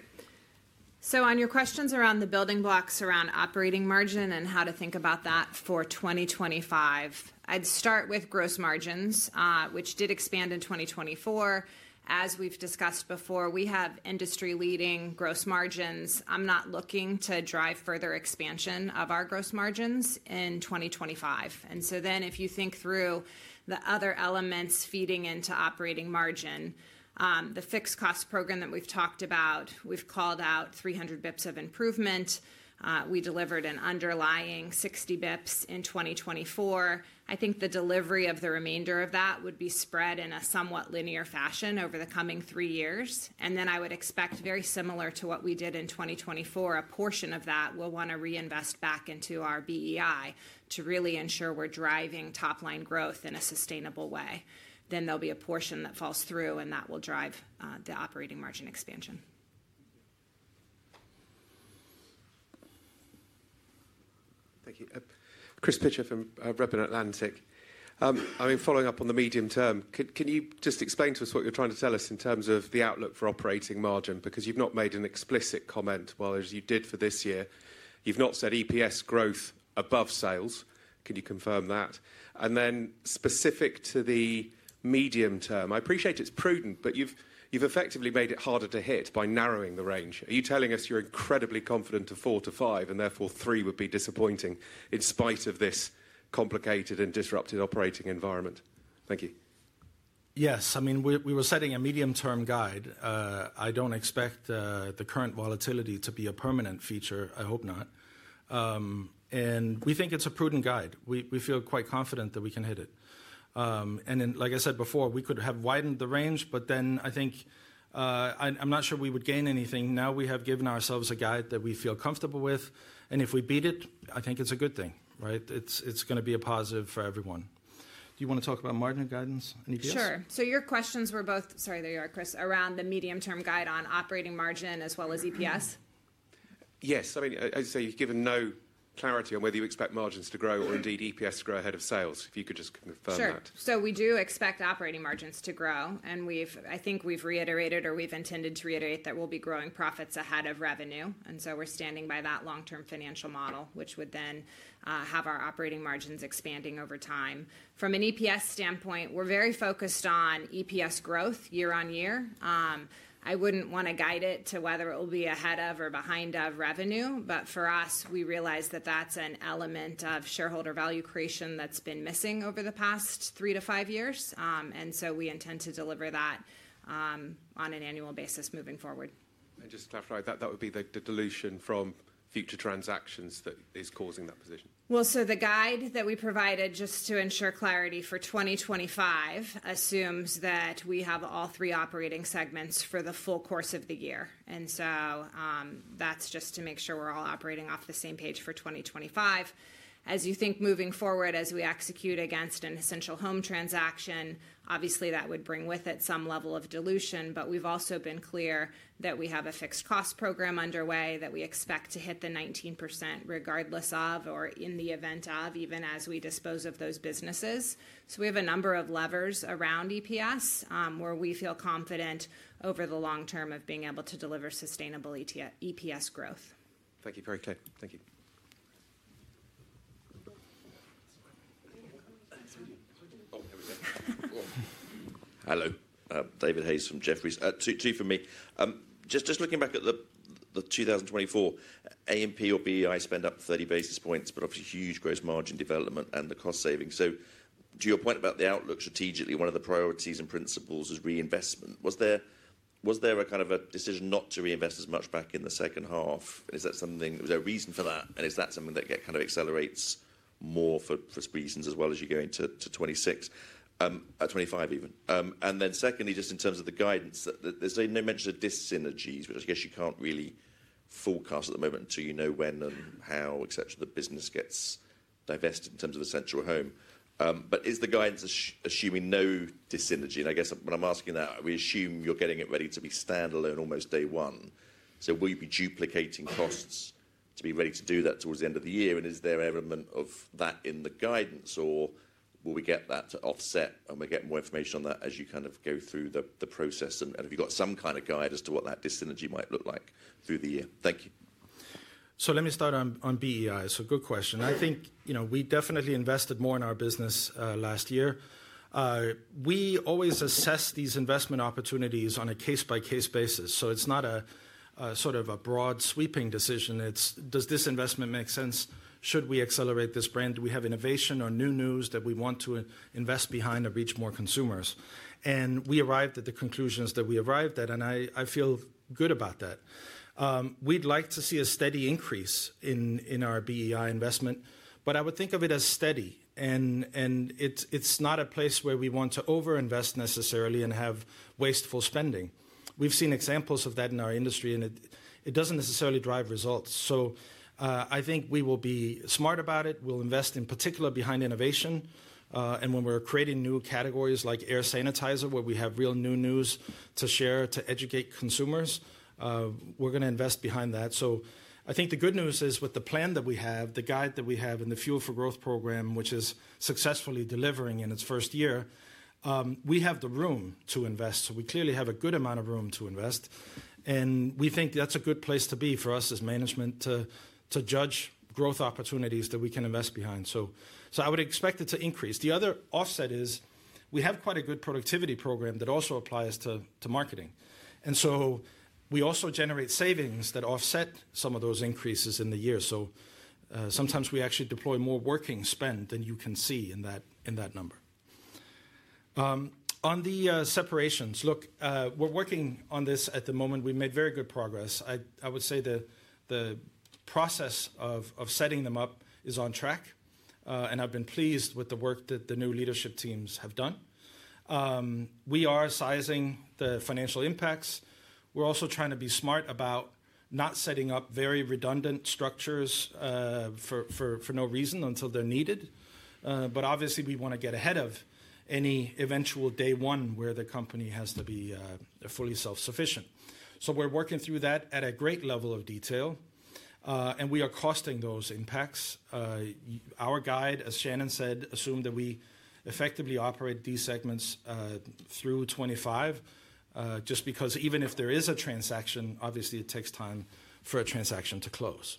So on your questions around the building blocks around operating margin and how to think about that for 2025, I'd start with gross margins, which did expand in 2024. As we've discussed before, we have industry-leading gross margins. I'm not looking to drive further expansion of our gross margins in 2025. And so then, if you think through the other elements feeding into operating margin, the fixed cost program that we've talked about, we've called out 300 basis points of improvement. We delivered an underlying 60 basis points in 2024. I think the delivery of the remainder of that would be spread in a somewhat linear fashion over the coming three years. And then I would expect, very similar to what we did in 2024, a portion of that we'll want to reinvest back into our BEI to really ensure we're driving top-line growth in a sustainable way. Then there'll be a portion that falls through, and that will drive the operating margin expansion. Thank you. Chris Pitcher from Redburn Atlantic. I mean, following up on the medium term, can you just explain to us what you're trying to tell us in terms of the outlook for operating margin? Because you've not made an explicit comment, well, as you did for this year. You've not said EPS growth above sales. Can you confirm that? And then specific to the medium term, I appreciate it's prudent, but you've effectively made it harder to hit by narrowing the range. Are you telling us you're incredibly confident to four to five, and therefore three would be disappointing in spite of this complicated and disrupted operating environment? Thank you. Yes, I mean, we were setting a medium-term guide. I don't expect the current volatility to be a permanent feature. I hope not. And we think it's a prudent guide. We feel quite confident that we can hit it. And then, like I said before, we could have widened the range, but then I think I'm not sure we would gain anything. Now we have given ourselves a guide that we feel comfortable with. And if we beat it, I think it's a good thing, right? It's going to be a positive for everyone. Do you want to talk about margin guidance? Any guess? Sure. So your questions were both, sorry, there you are, Chris, around the medium-term guide on operating margin as well as EPS? Yes. I mean, as you say, you've given no clarity on whether you expect margins to grow or indeed EPS to grow ahead of sales. If you could just confirm that. Sure. So we do expect operating margins to grow. And I think we've reiterated, or we've intended to reiterate, that we'll be growing profits ahead of revenue. And so we're standing by that long-term financial model, which would then have our operating margins expanding over time. From an EPS standpoint, we're very focused on EPS growth year-on-year. I wouldn't want to guide it to whether it will be ahead of or behind of revenue. But for us, we realize that that's an element of shareholder value creation that's been missing over the past three to five years. And so we intend to deliver that on an annual basis moving forward. And just to clarify, that would be the dilution from future transactions that is causing that position. Well, so the guide that we provided just to ensure clarity for 2025 assumes that we have all three operating segments for the full course of the year. And so that's just to make sure we're all operating off the same page for 2025. As you think moving forward, as we execute against an Essential Home transaction, obviously that would bring with it some level of dilution. But we've also been clear that we have a fixed cost program underway that we expect to hit the 19% regardless of, or in the event of, even as we dispose of those businesses. So we have a number of levers around EPS where we feel confident over the long term of being able to deliver sustainable EPS growth. Thank you. Very clear. Thank you. Hello. David Hayes from Jefferies. Two from me. Just looking back at the 2024, A&P or BEI spent up 30 basis points, but obviously huge gross margin development and the cost saving. So to your point about the outlook strategically, one of the priorities and principles is reinvestment. Was there a kind of a decision not to reinvest as much back in the second half? And is that something—was there a reason for that? And is that something that kind of accelerates more for reasons as well as you're going to 2026, 2025 even? And then secondly, just in terms of the guidance, there's no mention of dissynergies, which I guess you can't really forecast at the moment until you know when and how, etc., the business gets divested in terms of Essential Home. But is the guidance assuming no dissynergy? And I guess when I'm asking that, we assume you're getting it ready to be standalone almost day one. So will you be duplicating costs to be ready to do that towards the end of the year? And is there an element of that in the guidance, or will we get that to offset? And we'll get more information on that as you kind of go through the process. And have you got some kind of guide as to what that dissynergy might look like through the year? Thank you. So let me start on BEI. So good question. I think we definitely invested more in our business last year. We always assess these investment opportunities on a case-by-case basis. So it's not a sort of a broad sweeping decision. It's, does this investment make sense? Should we accelerate this brand? Do we have innovation or new news that we want to invest behind to reach more consumers? And we arrived at the conclusions that we arrived at, and I feel good about that. We'd like to see a steady increase in our BEI investment, but I would think of it as steady, and it's not a place where we want to overinvest necessarily and have wasteful spending. We've seen examples of that in our industry, and it doesn't necessarily drive results, so I think we will be smart about it. We'll invest in particular behind innovation, and when we're creating new categories like air sanitizer, where we have real new news to share to educate consumers, we're going to invest behind that. So I think the good news is with the plan that we have, the guide that we have, and the Fuel for Growth program, which is successfully delivering in its first year, we have the room to invest, so we clearly have a good amount of room to invest. And we think that's a good place to be for us as management to judge growth opportunities that we can invest behind. So I would expect it to increase. The other offset is we have quite a good productivity program that also applies to marketing. And so we also generate savings that offset some of those increases in the year. So sometimes we actually deploy more working spend than you can see in that number. On the separations, look, we're working on this at the moment. We've made very good progress. I would say the process of setting them up is on track. And I've been pleased with the work that the new leadership teams have done. We are sizing the financial impacts. We're also trying to be smart about not setting up very redundant structures for no reason until they're needed. But obviously, we want to get ahead of any eventual day one where the company has to be fully self-sufficient. So we're working through that at a great level of detail. And we are costing those impacts. Our guide, as Shannon said, assumed that we effectively operate these segments through 2025, just because even if there is a transaction, obviously it takes time for a transaction to close.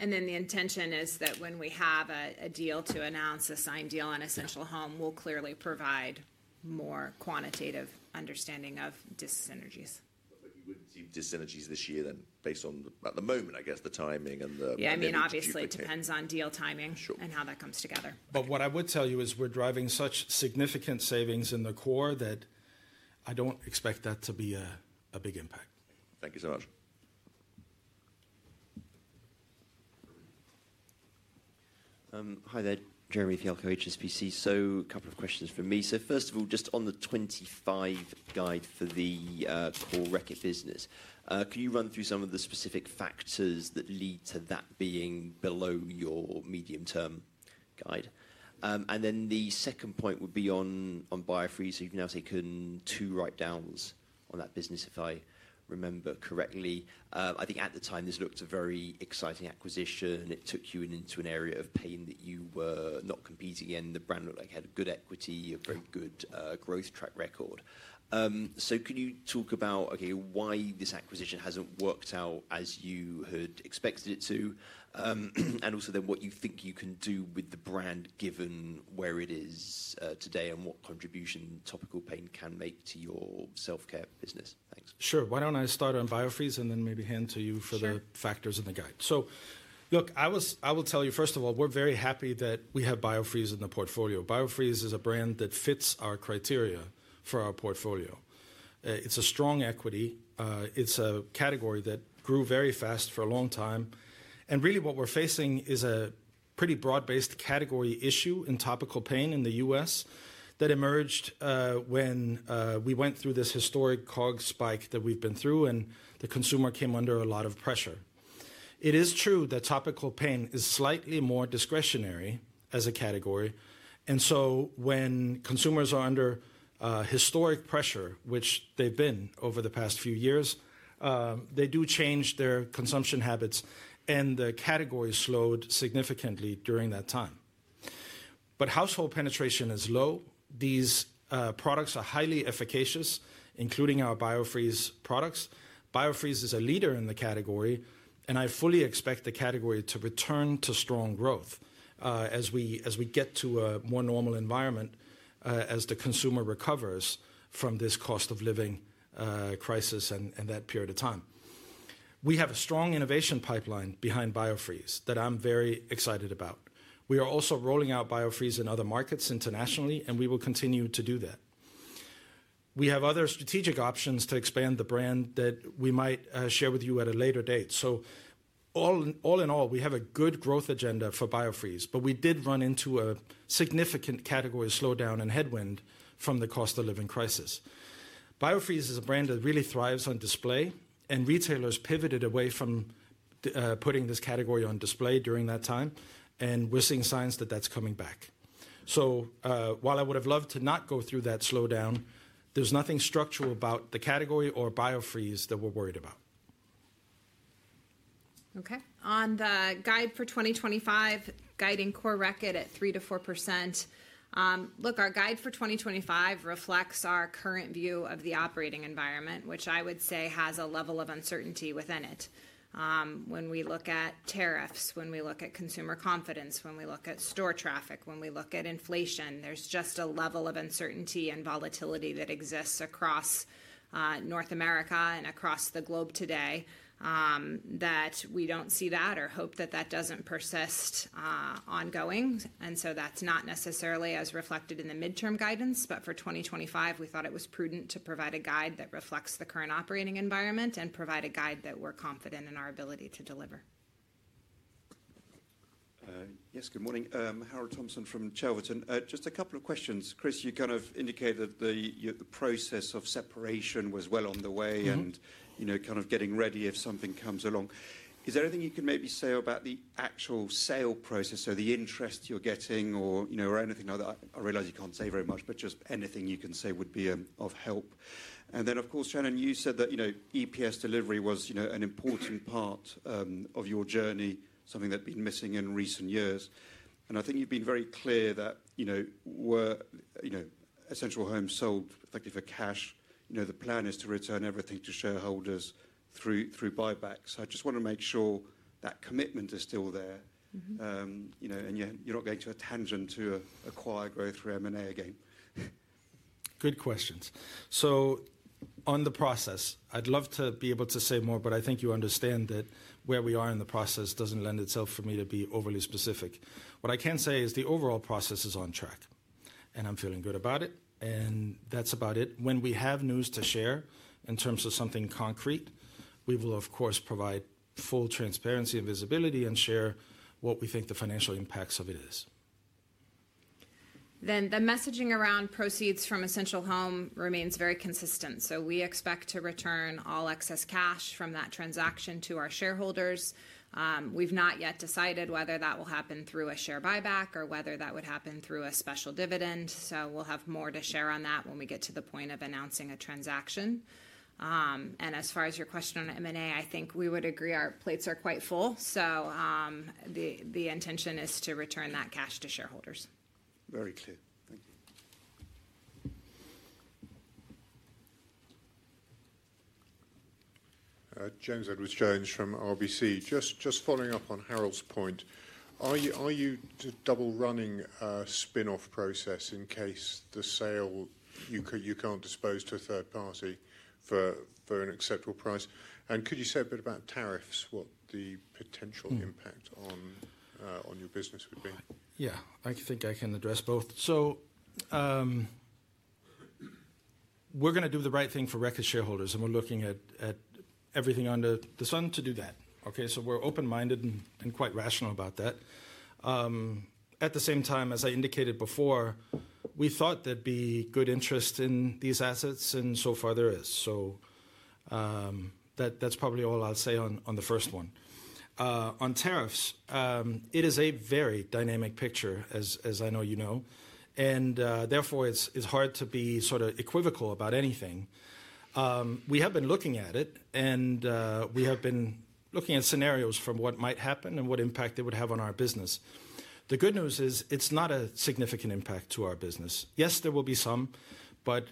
And then the intention is that when we have a deal to announce, a signed deal on Essential Home, we'll clearly provide more quantitative understanding of dissynergies. But you wouldn't see dissynergies this year then, based on at the moment, I guess, the timing and the, yeah, I mean, obviously it depends on deal timing and how that comes together. But what I would tell you is we're driving such significant savings in the Core that I don't expect that to be a big impact. Thank you so much. Hi there, Jeremy Fialko, HSBC. So a couple of questions for me. So first of all, just on the 2025 guide for the Core Reckitt business, can you run through some of the specific factors that lead to that being below your medium-term guide? And then the second point would be on Biofreeze. So you've now taken two write-downs on that business, if I remember correctly. I think at the time this looked a very exciting acquisition. It took you into an area of pain that you were not competing in. The brand looked like it had good equity, a very good growth track record. So can you talk about, okay, why this acquisition hasn't worked out as you had expected it to? And also then what you think you can do with the brand given where it is today and what contribution topical pain can make to your self-care business? Thanks. Sure. Why don't I start on Biofreeze and then maybe hand to you for the factors in the guide? So look, I will tell you, first of all, we're very happy that we have Biofreeze in the portfolio. Biofreeze is a brand that fits our criteria for our portfolio. It's a strong equity. It's a category that grew very fast for a long time. Really what we're facing is a pretty broad-based category issue in topical pain in the U.S. that emerged when we went through this historic COGS spike that we've been through and the consumer came under a lot of pressure. It is true that topical pain is slightly more discretionary as a category, so when consumers are under historic pressure, which they've been over the past few years, they do change their consumption habits. The category slowed significantly during that time. Household penetration is low. These products are highly efficacious, including our Biofreeze products. Biofreeze is a leader in the category. I fully expect the category to return to strong growth as we get to a more normal environment as the consumer recovers from this cost of living crisis and that period of time. We have a strong innovation pipeline behind Biofreeze that I'm very excited about. We are also rolling out Biofreeze in other markets internationally, and we will continue to do that. We have other strategic options to expand the brand that we might share with you at a later date, so all in all, we have a good growth agenda for Biofreeze, but we did run into a significant category slowdown and headwind from the cost of living crisis. Biofreeze is a brand that really thrives on display, and retailers pivoted away from putting this category on display during that time, and we're seeing signs that that's coming back. So while I would have loved to not go through that slowdown, there's nothing structural about the category or Biofreeze that we're worried about. Okay. On the guidance for 2025, guiding Core Reckitt at 3%-4%. Look, our guide for 2025 reflects our current view of the operating environment, which I would say has a level of uncertainty within it. When we look at tariffs, when we look at consumer confidence, when we look at store traffic, when we look at inflation, there's just a level of uncertainty and volatility that exists across North America and across the globe today that we don't see that or hope that that doesn't persist ongoing. And so that's not necessarily as reflected in the midterm guidance, but for 2025, we thought it was prudent to provide a guide that reflects the current operating environment and provide a guide that we're confident in our ability to deliver. Yes, good morning. Harold Thompson from Chelverton. And just a couple of questions. Kris, you kind of indicated the process of separation was well on the way and kind of getting ready if something comes along. Is there anything you can maybe say about the actual sale process or the interest you're getting or anything like that? I realize you can't say very much, but just anything you can say would be of help. And then, of course, Shannon, you said that EPS delivery was an important part of your journey, something that's been missing in recent years. I think you've been very clear that Essential Home sold effectively for cash. The plan is to return everything to shareholders through buybacks. I just want to make sure that commitment is still there. You're not going to a tangent to acquire growth through M&A again. Good questions. So on the process, I'd love to be able to say more, but I think you understand that where we are in the process doesn't lend itself for me to be overly specific. What I can say is the overall process is on track. And I'm feeling good about it. And that's about it. When we have news to share in terms of something concrete, we will, of course, provide full transparency and visibility and share what we think the financial impacts of it is. Then the messaging around proceeds from Essential Home remains very consistent. So we expect to return all excess cash from that transaction to our shareholders. We've not yet decided whether that will happen through a share buyback or whether that would happen through a special dividend. So we'll have more to share on that when we get to the point of announcing a transaction. As far as your question on M&A, I think we would agree our plates are quite full. So the intention is to return that cash to shareholders. Very clear. Thank you. James Edwardes Jones from RBC. Just following up on Harold's point, are you double running a spinoff process in case the sale you can't dispose to a third party for an acceptable price? And could you say a bit about tariffs, what the potential impact on your business would be? Yeah, I think I can address both. So we're going to do the right thing for Reckitt shareholders, and we're looking at everything under the sun to do that. Okay, so we're open-minded and quite rational about that. At the same time, as I indicated before, we thought there'd be good interest in these assets, and so far there is. So that's probably all I'll say on the first one. On tariffs, it is a very dynamic picture, as I know you know. And therefore, it's hard to be sort of equivocal about anything. We have been looking at it, and we have been looking at scenarios from what might happen and what impact it would have on our business. The good news is it's not a significant impact to our business. Yes, there will be some, but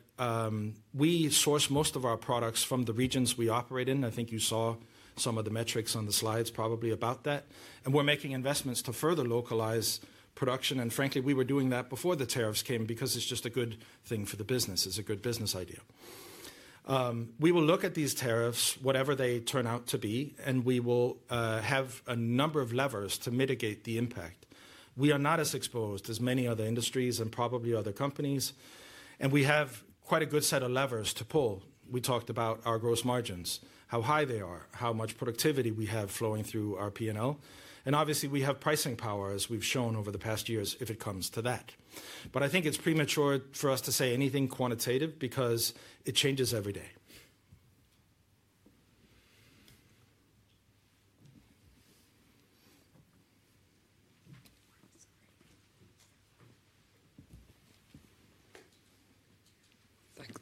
we source most of our products from the regions we operate in. I think you saw some of the metrics on the slides probably about that. And we're making investments to further localize production. And frankly, we were doing that before the tariffs came because it's just a good thing for the business. It's a good business idea. We will look at these tariffs, whatever they turn out to be, and we will have a number of levers to mitigate the impact. We are not as exposed as many other industries and probably other companies. And we have quite a good set of levers to pull. We talked about our gross margins, how high they are, how much productivity we have flowing through our P&L. And obviously, we have pricing power, as we've shown over the past years, if it comes to that. But I think it's premature for us to say anything quantitative because it changes every day.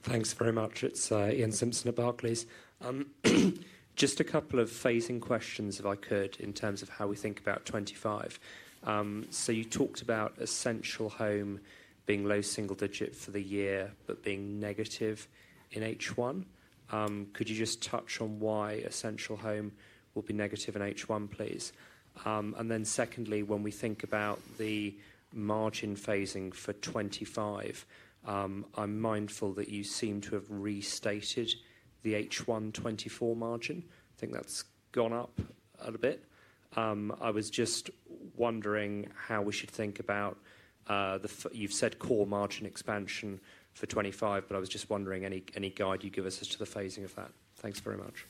Thanks very much. It's Iain Simpson at Barclays. Just a couple of phasing questions, if I could, in terms of how we think about 2025. So you talked about Essential Home being low single digit for the year, but being negative in H1. Could you just touch on why Essential Home will be negative in H1, please? And then secondly, when we think about the margin phasing for 2025, I'm mindful that you seem to have restated the H1 2024 margin. I think that's gone up a little bit. I was just wondering how we should think about the, you've said core margin expansion for 2025, but I was just wondering any guide you give us as to the phasing of that. Thanks very much.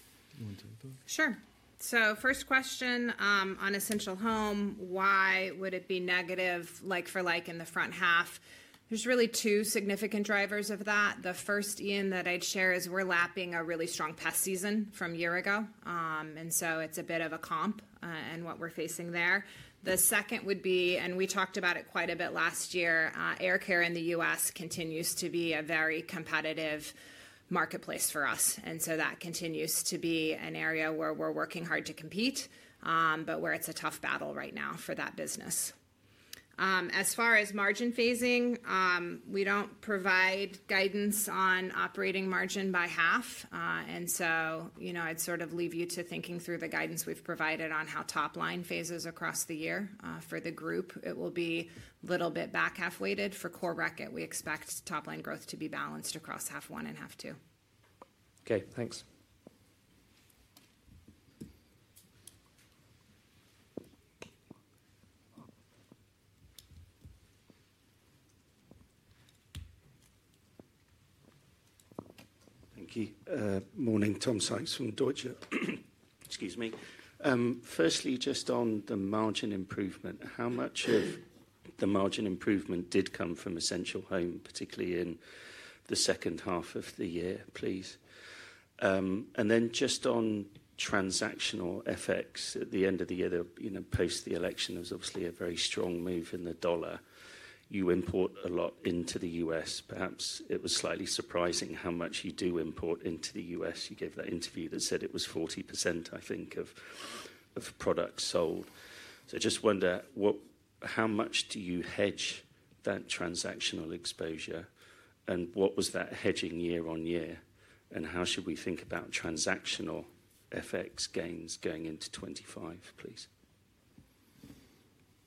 Sure. So first question on Essential Home, why would it be negative like-for-like in the front half? There's really two significant drivers of that. The first, Iain, that I'd share is we're lapping a really strong pest season from a year ago. And so it's a bit of a comp in what we're facing there. The second would be, and we talked about it quite a bit last year, air care in the U.S. continues to be a very competitive marketplace for us. And so that continues to be an area where we're working hard to compete, but where it's a tough battle right now for that business. As far as margin phasing, we don't provide guidance on operating margin by half. And so I'd sort of leave you to thinking through the guidance we've provided on how top line phases across the year for the group. It will be a little bit back half weighted. For Core Reckitt, we expect top line growth to be balanced across half one and half two. Okay, thanks. Thank you. Morning, Tom Sykes from Deutsche. Excuse me. Firstly, just on the margin improvement, how much of the margin improvement did come from Essential Home, particularly in the second half of the year, please? And then just on transactional effects at the end of the year, post the election, there was obviously a very strong move in the dollar. You import a lot into the U.S. Perhaps it was slightly surprising how much you do import into the U.S. You gave that interview that said it was 40%, I think, of product sold. So I just wonder, how much do you hedge that transactional exposure? And what was that hedging year-on-year? And how should we think about transactional effects gains going into 2025, please?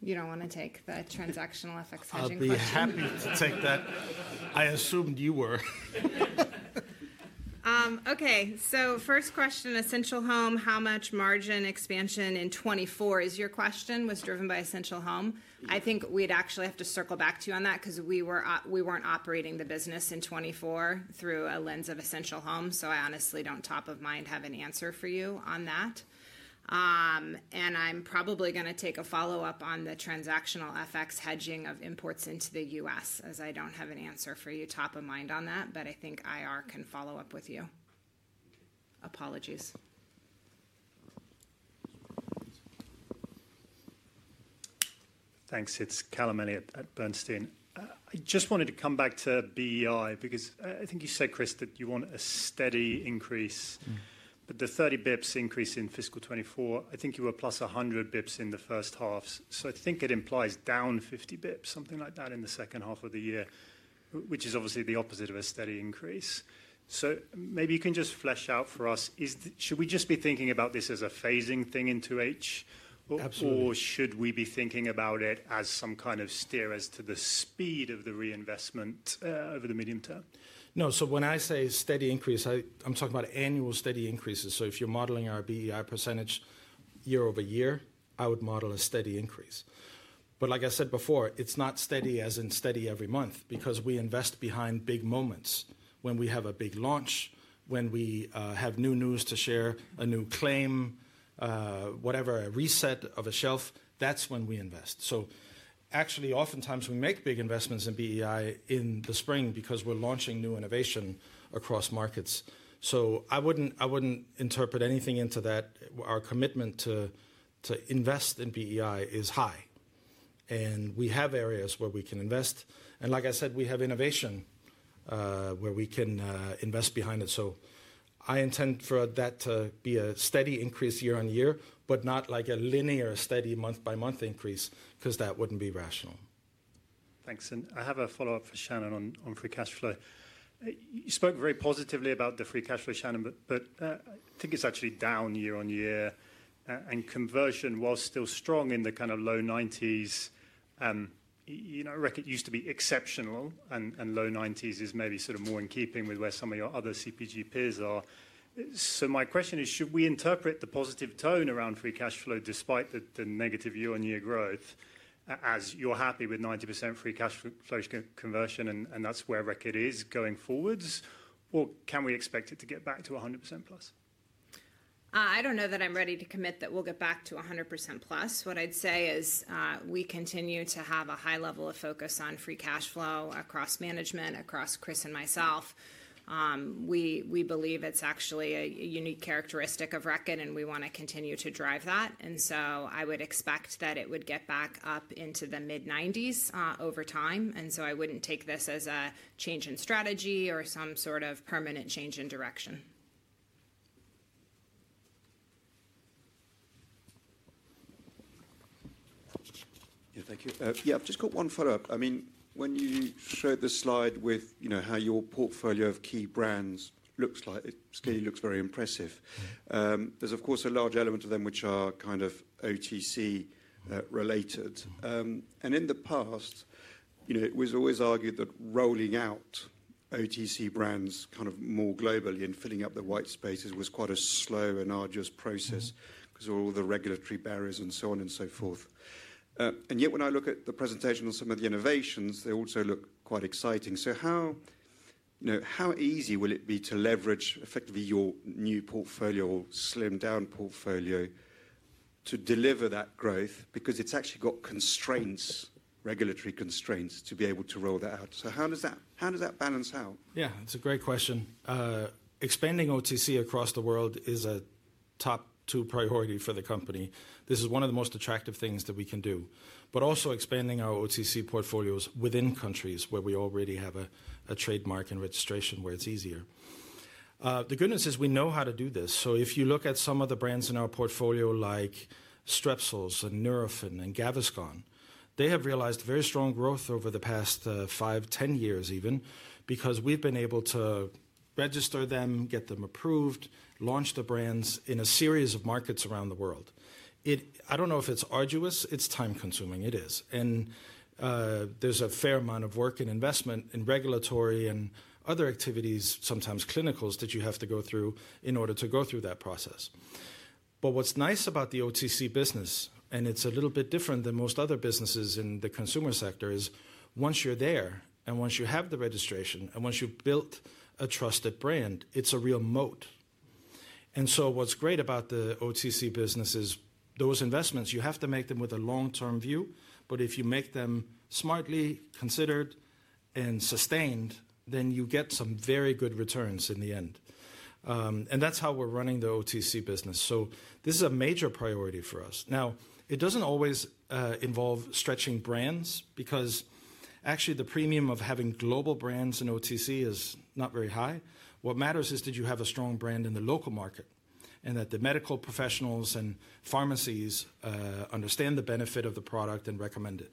You don't want to take the transactional effects hedging question. I'll be happy to take that. I assumed you were. Okay, so first question, Essential Home, how much margin expansion in 2024 is your question was driven by Essential Home. I think we'd actually have to circle back to you on that because we weren't operating the business in 2024 through a lens of Essential Home. So I honestly don't top of mind have an answer for you on that. And I'm probably going to take a follow-up on the transactional effects hedging of imports into the U.S., as I don't have an answer for you top of mind on that, but I think IR can follow up with you. Apologies. Thanks. It's Callum Elliott at Bernstein. I just wanted to come back to BEI because I think you said, Kris, that you want a steady increase, but the 30 basis points increase in fiscal 2024, I think you were plus 100 basis points in the first half. So I think it implies down 50 basis points, something like that in the second half of the year, which is obviously the opposite of a steady increase. So maybe you can just flesh out for us, should we just be thinking about this as a phasing thing into H? Absolutely. Or should we be thinking about it as some kind of steer as to the speed of the reinvestment over the medium term? No, so when I say steady increase, I'm talking about annual steady increases. So if you're modeling our BEI percentage year over year, I would model a steady increase. But like I said before, it's not steady as in steady every month because we invest behind big moments when we have a big launch, when we have new news to share, a new claim, whatever, a reset of a shelf, that's when we invest. So actually, oftentimes we make big investments in BEI in the spring because we're launching new innovation across markets. So I wouldn't interpret anything into that. Our commitment to invest in BEI is high. And we have areas where we can invest. And like I said, we have innovation where we can invest behind it. So I intend for that to be a steady increase year-on-year, but not like a linear steady month-by-month increase because that wouldn't be rational. Thanks. And I have a follow-up for Shannon on free cash flow. You spoke very positively about the free cash flow, Shannon, but I think it's actually down year-on-year. And conversion, while still strong in the kind of low 90s, I reckon it used to be exceptional, and low 90s is maybe sort of more in keeping with where some of your other CPG peers are. So my question is, should we interpret the positive tone around free cash flow despite the negative year-on-year growth as you're happy with 90% free cash flow conversion, and that's where Reckitt is going forwards? Or can we expect it to get back to 100% plus? I don't know that I'm ready to commit that we'll get back to 100% plus. What I'd say is we continue to have a high level of focus on free cash flow across management, across Kris and myself. We believe it's actually a unique characteristic of Reckitt, and we want to continue to drive that. And so I would expect that it would get back up into the mid-90s over time. And so I wouldn't take this as a change in strategy or some sort of permanent change in direction. Yeah, thank you. Yeah, I've just got one follow-up. I mean, when you showed the slide with how your portfolio of key brands looks like, it looks very impressive. There's, of course, a large element of them which are kind of OTC related. And in the past, it was always argued that rolling out OTC brands kind of more globally and filling up the white spaces was quite a slow and arduous process because of all the regulatory barriers and so on and so forth. And yet, when I look at the presentation on some of the innovations, they also look quite exciting. So how easy will it be to leverage effectively your new portfolio or slim down portfolio to deliver that growth? Because it's actually got constraints, regulatory constraints, to be able to roll that out. So how does that balance out? Yeah, that's a great question. Expanding OTC across the world is a top two priority for the company. This is one of the most attractive things that we can do, but also expanding our OTC portfolios within countries where we already have a trademark and registration where it's easier. The good news is we know how to do this. If you look at some of the brands in our portfolio like Strepsils and Nurofen and Gaviscon, they have realized very strong growth over the past five, 10 years even because we've been able to register them, get them approved, launch the brands in a series of markets around the world. I don't know if it's arduous. It's time-consuming. It is. And there's a fair amount of work and investment in regulatory and other activities, sometimes clinicals that you have to go through in order to go through that process. But what's nice about the OTC business, and it's a little bit different than most other businesses in the consumer sector, is once you're there and once you have the registration and once you've built a trusted brand, it's a real moat. And so what's great about the OTC business is those investments, you have to make them with a long-term view, but if you make them smartly, considered, and sustained, then you get some very good returns in the end. And that's how we're running the OTC business. So this is a major priority for us. Now, it doesn't always involve stretching brands because actually the premium of having global brands in OTC is not very high. What matters is did you have a strong brand in the local market and that the medical professionals and pharmacies understand the benefit of the product and recommend it.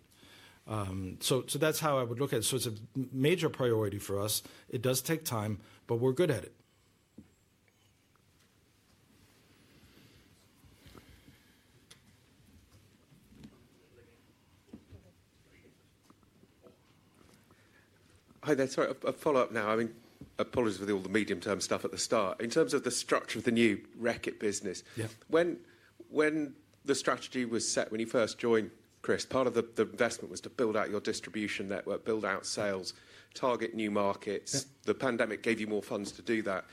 So that's how I would look at it. So it's a major priority for us. It does take time, but we're good at it. Hi, that's right. A follow-up now. Apologies for all the medium-term stuff at the start. In terms of the structure of the new Reckitt business, when the strategy was set, when you first joined, Kris, part of the investment was to build out your distribution network, build out sales, target new markets. The pandemic gave you more funds to do that.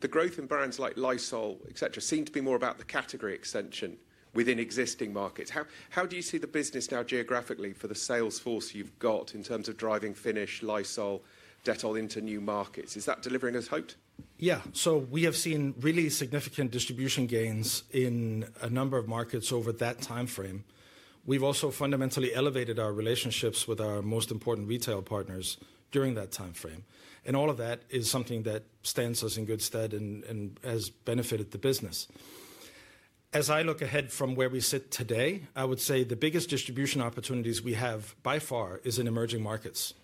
The growth in brands like Lysol, etc., seemed to be more about the category extension within existing markets. How do you see the business now geographically for the sales force you've got in terms of driving Finish, Lysol, Dettol into new markets? Is that delivering as hoped? Yeah, so we have seen really significant distribution gains in a number of markets over that timeframe. We've also fundamentally elevated our relationships with our most important retail partners during that timeframe. And all of that is something that stands us in good stead and has benefited the business. As I look ahead from where we sit today, I would say the biggest distribution opportunities we have by far is in emerging markets.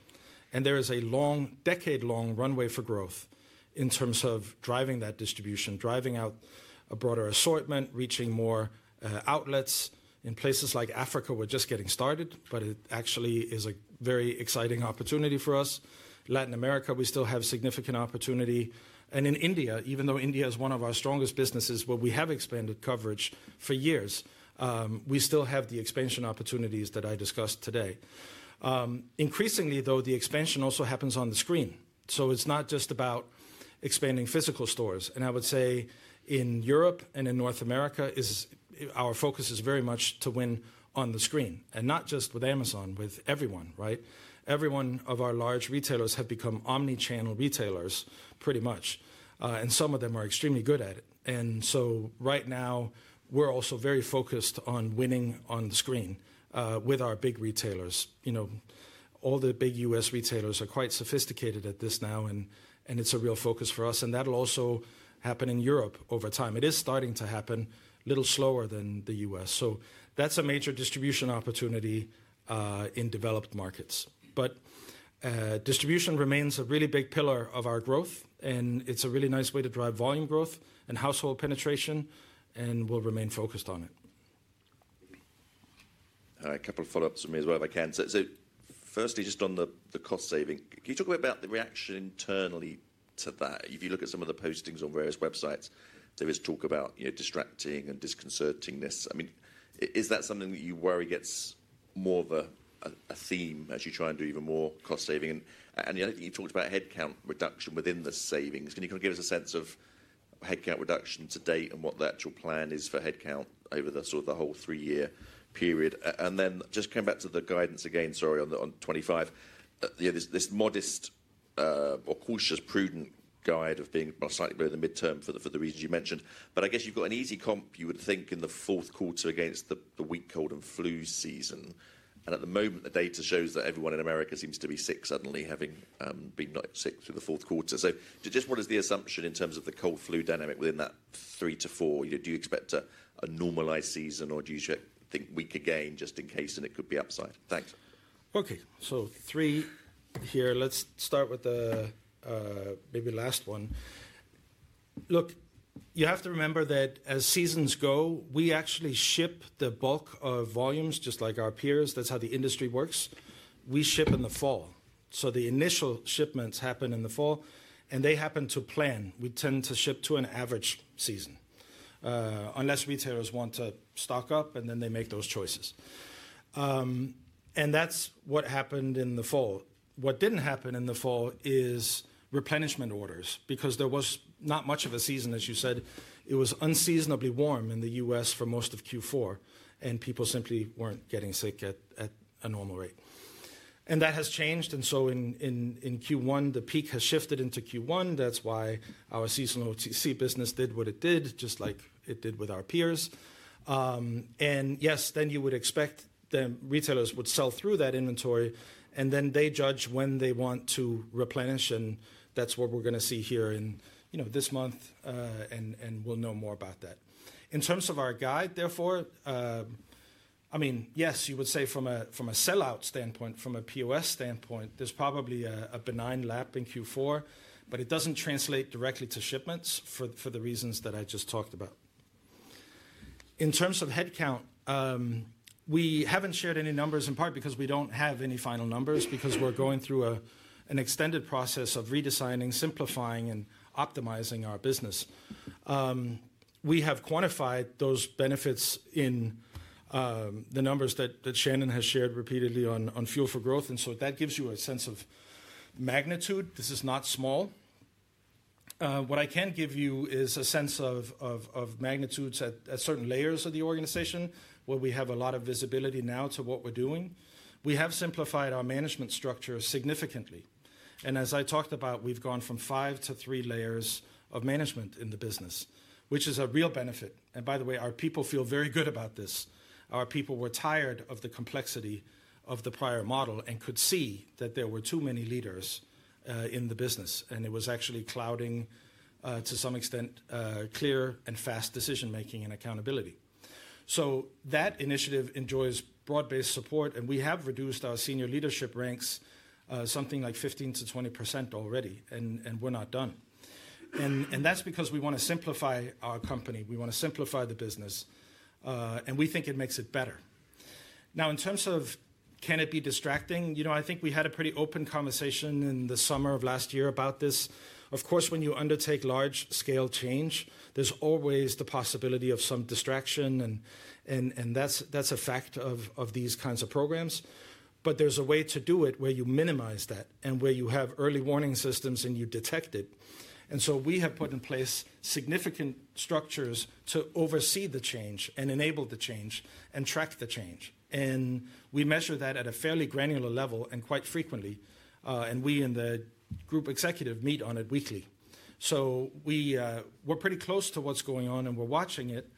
And there is a long, decade-long runway for growth in terms of driving that distribution, driving out a broader assortment, reaching more outlets. In places like Africa, we're just getting started, but it actually is a very exciting opportunity for us. Latin America, we still have significant opportunity. And in India, even though India is one of our strongest businesses where we have expanded coverage for years, we still have the expansion opportunities that I discussed today. Increasingly, though, the expansion also happens on the screen. So it's not just about expanding physical stores. And I would say in Europe and in North America, our focus is very much to win on the screen. And not just with Amazon, with everyone, right? Every one of our large retailers have become omnichannel retailers pretty much. And some of them are extremely good at it. And so right now, we're also very focused on winning on the screen with our big retailers. All the big US retailers are quite sophisticated at this now, and it's a real focus for us. And that'll also happen in Europe over time. It is starting to happen a little slower than the US. So that's a major distribution opportunity in developed markets. But distribution remains a really big pillar of our growth, and it's a really nice way to drive volume growth and household penetration, and we'll remain focused on it. A couple of follow-ups for me as well if I can. So firstly, just on the cost saving, can you talk a bit about the reaction internally to that? If you look at some of the postings on various websites, there is talk about distracting and disconcertingness. I mean, is that something that you worry gets more of a theme as you try and do even more cost saving? And the other thing you talked about, headcount reduction within the savings. Can you kind of give us a sense of headcount reduction to date and what the actual plan is for headcount over the sort of the whole three-year period? And then just coming back to the guidance again, sorry, on 2025, this modest or cautious, prudent guide of being slightly below the midterm for the reasons you mentioned. I guess you've got an easy comp, you would think, in the fourth quarter against the weak cold and flu season. And at the moment, the data shows that everyone in America seems to be sick suddenly, having been not sick through the fourth quarter. So just what is the assumption in terms of the cold-flu dynamic within that three to four? Do you expect a normalized season or do you think weaker gain just in case and it could be upside? Thanks. Okay, so three here. Let's start with the maybe last one. Look, you have to remember that as seasons go, we actually ship the bulk of volumes just like our peers. That's how the industry works. We ship in the fall. So the initial shipments happen in the fall, and they happen to plan. We tend to ship to an average season unless retailers want to stock up, and then they make those choices. And that's what happened in the fall. What didn't happen in the fall is replenishment orders because there was not much of a season, as you said. It was unseasonably warm in the U.S. for most of Q4, and people simply weren't getting sick at a normal rate. And that has changed. And so in Q1, the peak has shifted into Q1. That's why our seasonal OTC business did what it did, just like it did with our peers. And yes, then you would expect the retailers would sell through that inventory, and then they judge when they want to replenish. And that's what we're going to see here in this month, and we'll know more about that. In terms of our guide, therefore, I mean, yes, you would say from a sellout standpoint, from a POS standpoint, there's probably a benign lap in Q4, but it doesn't translate directly to shipments for the reasons that I just talked about. In terms of headcount, we haven't shared any numbers in part because we don't have any final numbers because we're going through an extended process of redesigning, simplifying, and optimizing our business. We have quantified those benefits in the numbers that Shannon has shared repeatedly on Fuel for Growth. And so that gives you a sense of magnitude. This is not small. What I can give you is a sense of magnitudes at certain layers of the organization where we have a lot of visibility now to what we're doing. We have simplified our management structure significantly. And as I talked about, we've gone from five to three layers of management in the business, which is a real benefit. And by the way, our people feel very good about this. Our people were tired of the complexity of the prior model and could see that there were too many leaders in the business. And it was actually clouding to some extent clear and fast decision-making and accountability. So that initiative enjoys broad-based support, and we have reduced our senior leadership ranks something like 15%-20% already, and we're not done. And that's because we want to simplify our company. We want to simplify the business, and we think it makes it better. Now, in terms of can it be distracting, I think we had a pretty open conversation in the summer of last year about this. Of course, when you undertake large-scale change, there's always the possibility of some distraction, and that's a fact of these kinds of programs. But there's a way to do it where you minimize that and where you have early warning systems and you detect it. And so we have put in place significant structures to oversee the change and enable the change and track the change. And we measure that at a fairly granular level and quite frequently. And we and the group executive meet on it weekly. So we're pretty close to what's going on, and we're watching it.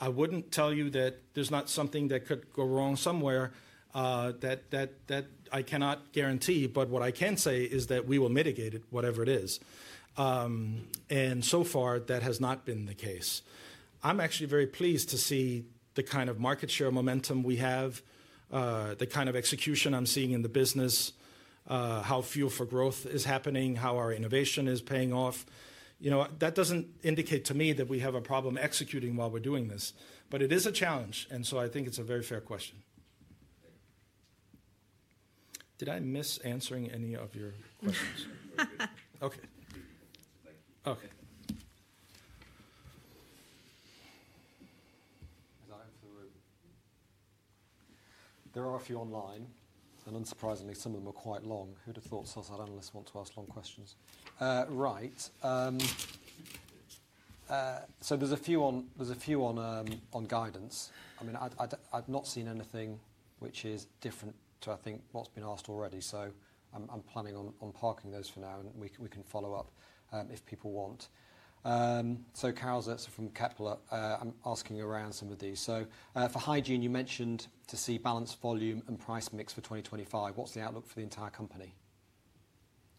I wouldn't tell you that there's not something that could go wrong somewhere that I cannot guarantee, but what I can say is that we will mitigate it, whatever it is. And so far, that has not been the case. I'm actually very pleased to see the kind of market share momentum we have, the kind of execution I'm seeing in the business, how Fuel for Growth is happening, how our innovation is paying off. That doesn't indicate to me that we have a problem executing while we're doing this, but it is a challenge. And so I think it's a very fair question. Did I miss answering any of your questions? Okay. Okay. There are a few online, and unsurprisingly, some of them are quite long. Who would have thought self-select analysts want to ask long questions? Right. So there's a few on guidance. I mean, I've not seen anything which is different to, I think, what's been asked already. So I'm planning on parking those for now, and we can follow up if people want. So Karel Zoete from Kepler Cheuvreux, I'm asking around some of these. For Hygiene, you mentioned to see balanced volume and price mix for 2025. What's the outlook for the entire company?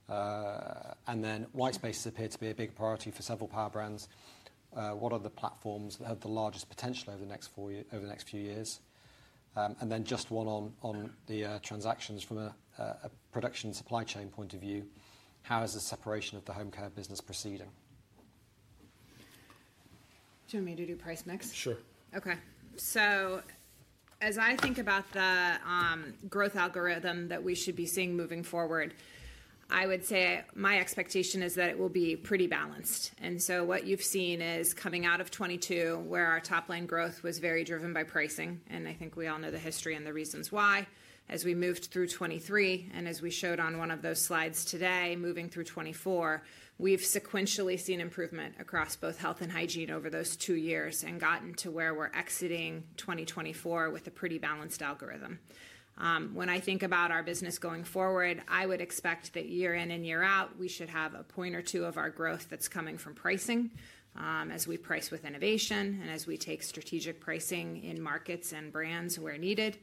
And then white spaces appear to be a big priority for several power brands. What are the platforms that have the largest potential over the next few years? And then just one on the transactions from a production supply chain point of view, how is the separation of the home care business proceeding? Do you want me to do price mix? Sure. Okay. As I think about the growth algorithm that we should be seeing moving forward, I would say my expectation is that it will be pretty balanced. And so what you've seen is coming out of 2022, where our top-line growth was very driven by pricing. And I think we all know the history and the reasons why. As we moved through 2023, and as we showed on one of those slides today, moving through 2024, we've sequentially seen improvement across both Health and Hygiene over those two years and gotten to where we're exiting 2024 with a pretty balanced algorithm. When I think about our business going forward, I would expect that year in and year out, we should have a point or two of our growth that's coming from pricing as we price with innovation and as we take strategic pricing in markets and brands where needed.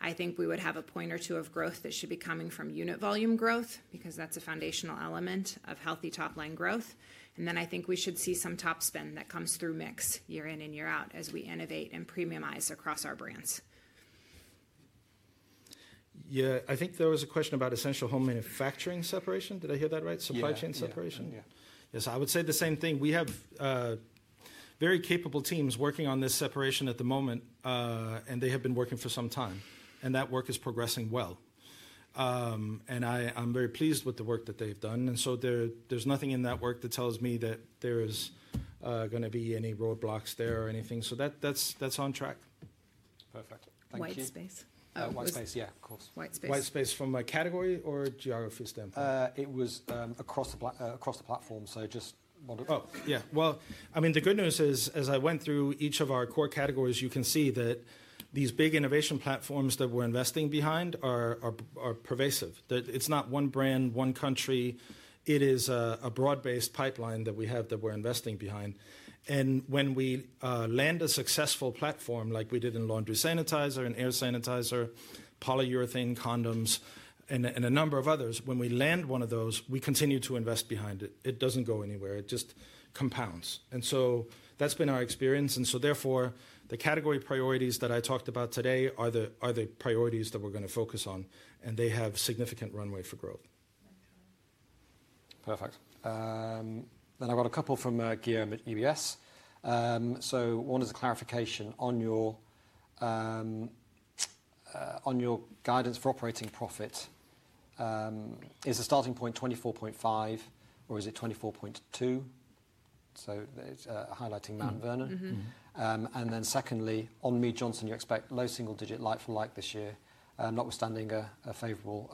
I think we would have a point or two of growth that should be coming from unit volume growth because that's a foundational element of healthy top-line growth. And then I think we should see some top spend that comes through mix year in and year out as we innovate and premiumize across our brands. Yeah, I think there was a question about Essential Home manufacturing separation. Did I hear that right? Supply chain separation? Yeah. Yes, I would say the same thing. We have very capable teams working on this separation at the moment, and they have been working for some time. And that work is progressing well. And I'm very pleased with the work that they've done. And so there's nothing in that work that tells me that there's going to be any roadblocks there or anything. So that's on track. Perfect. Thank you. White space. White space, yeah, of course. White space. White space from a category or geography standpoint? It was across the platform, so just wonderful. Oh, yeah. Well, I mean, the good news is, as I went through each of our core categories, you can see that these big innovation platforms that we're investing behind are pervasive. It's not one brand, one country. It is a broad-based pipeline that we have that we're investing behind. And when we land a successful platform like we did in laundry sanitizer and air sanitizer, polyurethane condoms, and a number of others, when we land one of those, we continue to invest behind it. It doesn't go anywhere. It just compounds. And so that's been our experience. And so therefore, the category priorities that I talked about today are the priorities that we're going to focus on, and they have significant runway for growth. Perfect. Then I've got a couple from Guillaume at UBS. So one is a clarification on your guidance for operating profit. Is the starting point 24.5, or is it 24.2? So highlighting Mount Vernon. Then, secondly, on Mead Johnson, you expect low single-digit LFL this year, notwithstanding a favorable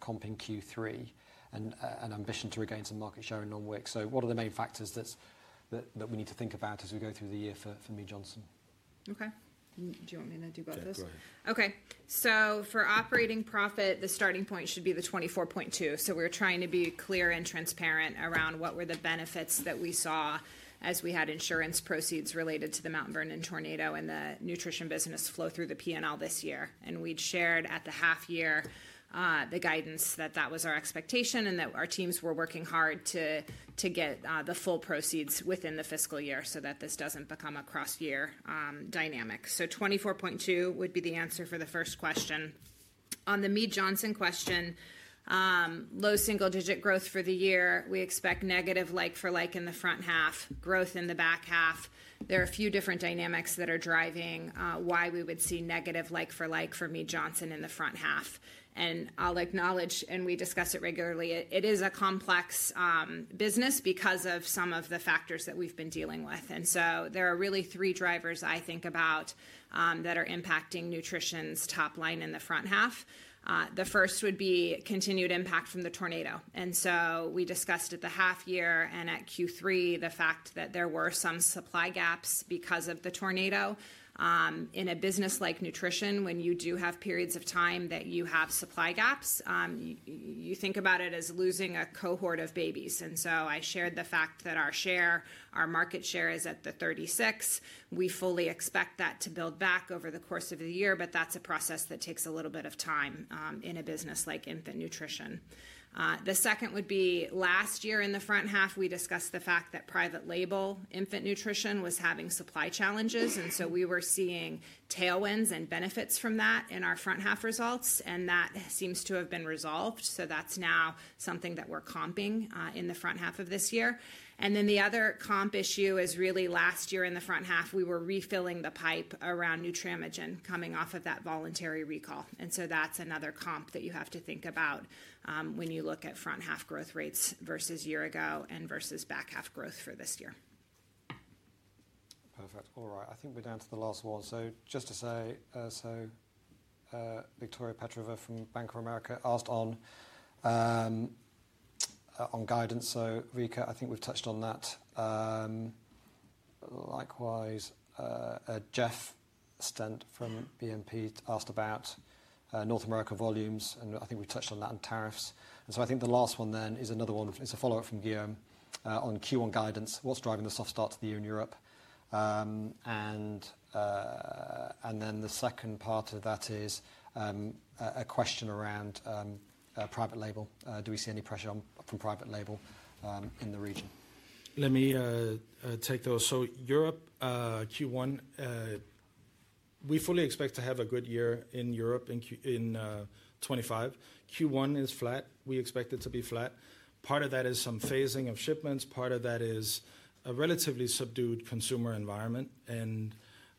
comp in Q3 and ambition to regain some market share in non-WIC. What are the main factors that we need to think about as we go through the year for Mead Johnson? Okay. Do you want me to do both those? Okay. For operating profit, the starting point should be the 24.2. We're trying to be clear and transparent around what were the benefits that we saw as we had insurance proceeds related to the Mount Vernon tornado and the nutrition business flow through the P&L this year. We'd shared at the half-year the guidance that that was our expectation and that our teams were working hard to get the full proceeds within the fiscal year so that this doesn't become a cross-year dynamic. So 24.2 would be the answer for the first question. On the Mead Johnson question, low single-digit growth for the year, we expect negative like-for-like in the front half, growth in the back half. There are a few different dynamics that are driving why we would see negative like-for-like for Mead Johnson in the front half. And I'll acknowledge, and we discuss it regularly, it is a complex business because of some of the factors that we've been dealing with. And so there are really three drivers, I think, about that are impacting nutrition's top line in the front half. The first would be continued impact from the tornado. And so we discussed at the half-year and at Q3 the fact that there were some supply gaps because of the tornado. In a business like nutrition, when you do have periods of time that you have supply gaps, you think about it as losing a cohort of babies. And so I shared the fact that our market share is at the 36%. We fully expect that to build back over the course of the year, but that's a process that takes a little bit of time in a business like infant nutrition. The second would be last year in the front half, we discussed the fact that private label infant nutrition was having supply challenges. And so we were seeing tailwinds and benefits from that in our front-half results, and that seems to have been resolved. So that's now something that we're comping in the front half of this year. And then the other comp issue is really last year in the front half, we were refilling the pipe around Nutramigen coming off of that voluntary recall. And so that's another comp that you have to think about when you look at front-half growth rates versus year ago and versus back-half growth for this year. Perfect. All right. I think we're down to the last one. So just to say, so Victoria Petrova from Bank of America asked on guidance. So Reckitt, I think we've touched on that. Likewise, Jeff Stent from BNP asked about North America volumes, and I think we've touched on that and tariffs. And so I think the last one then is another one. It's a follow-up from Guillaume on Q1 guidance, what's driving the soft start to the year in Europe. And then the second part of that is a question around private label. Do we see any pressure from private label in the region? Let me take those. So Europe, Q1, we fully expect to have a good year in Europe in 2025. Q1 is flat. We expect it to be flat. Part of that is some phasing of shipments. Part of that is a relatively subdued consumer environment.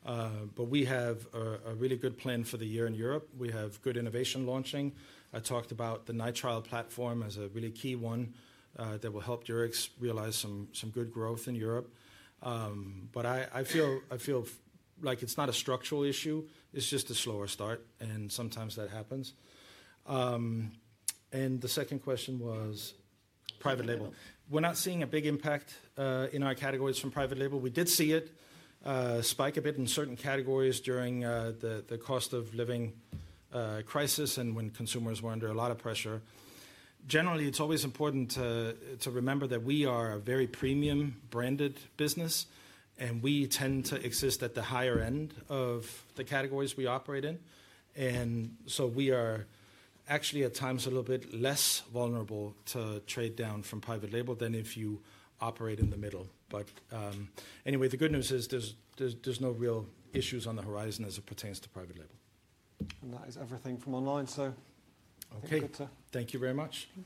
But we have a really good plan for the year in Europe. We have good innovation launching. I talked about the Nitrile platform as a really key one that will help Durex realize some good growth in Europe. But I feel like it's not a structural issue. It's just a slower start, and sometimes that happens. And the second question was private label. We're not seeing a big impact in our categories from private label. We did see it spike a bit in certain categories during the cost of living crisis and when consumers were under a lot of pressure. Generally, it's always important to remember that we are a very premium-branded business, and we tend to exist at the higher end of the categories we operate in. And so we are actually at times a little bit less vulnerable to trade down from private label than if you operate in the middle. But anyway, the good news is there's no real issues on the horizon as it pertains to private label. And that is everything from online, so. Okay. Thank you very much.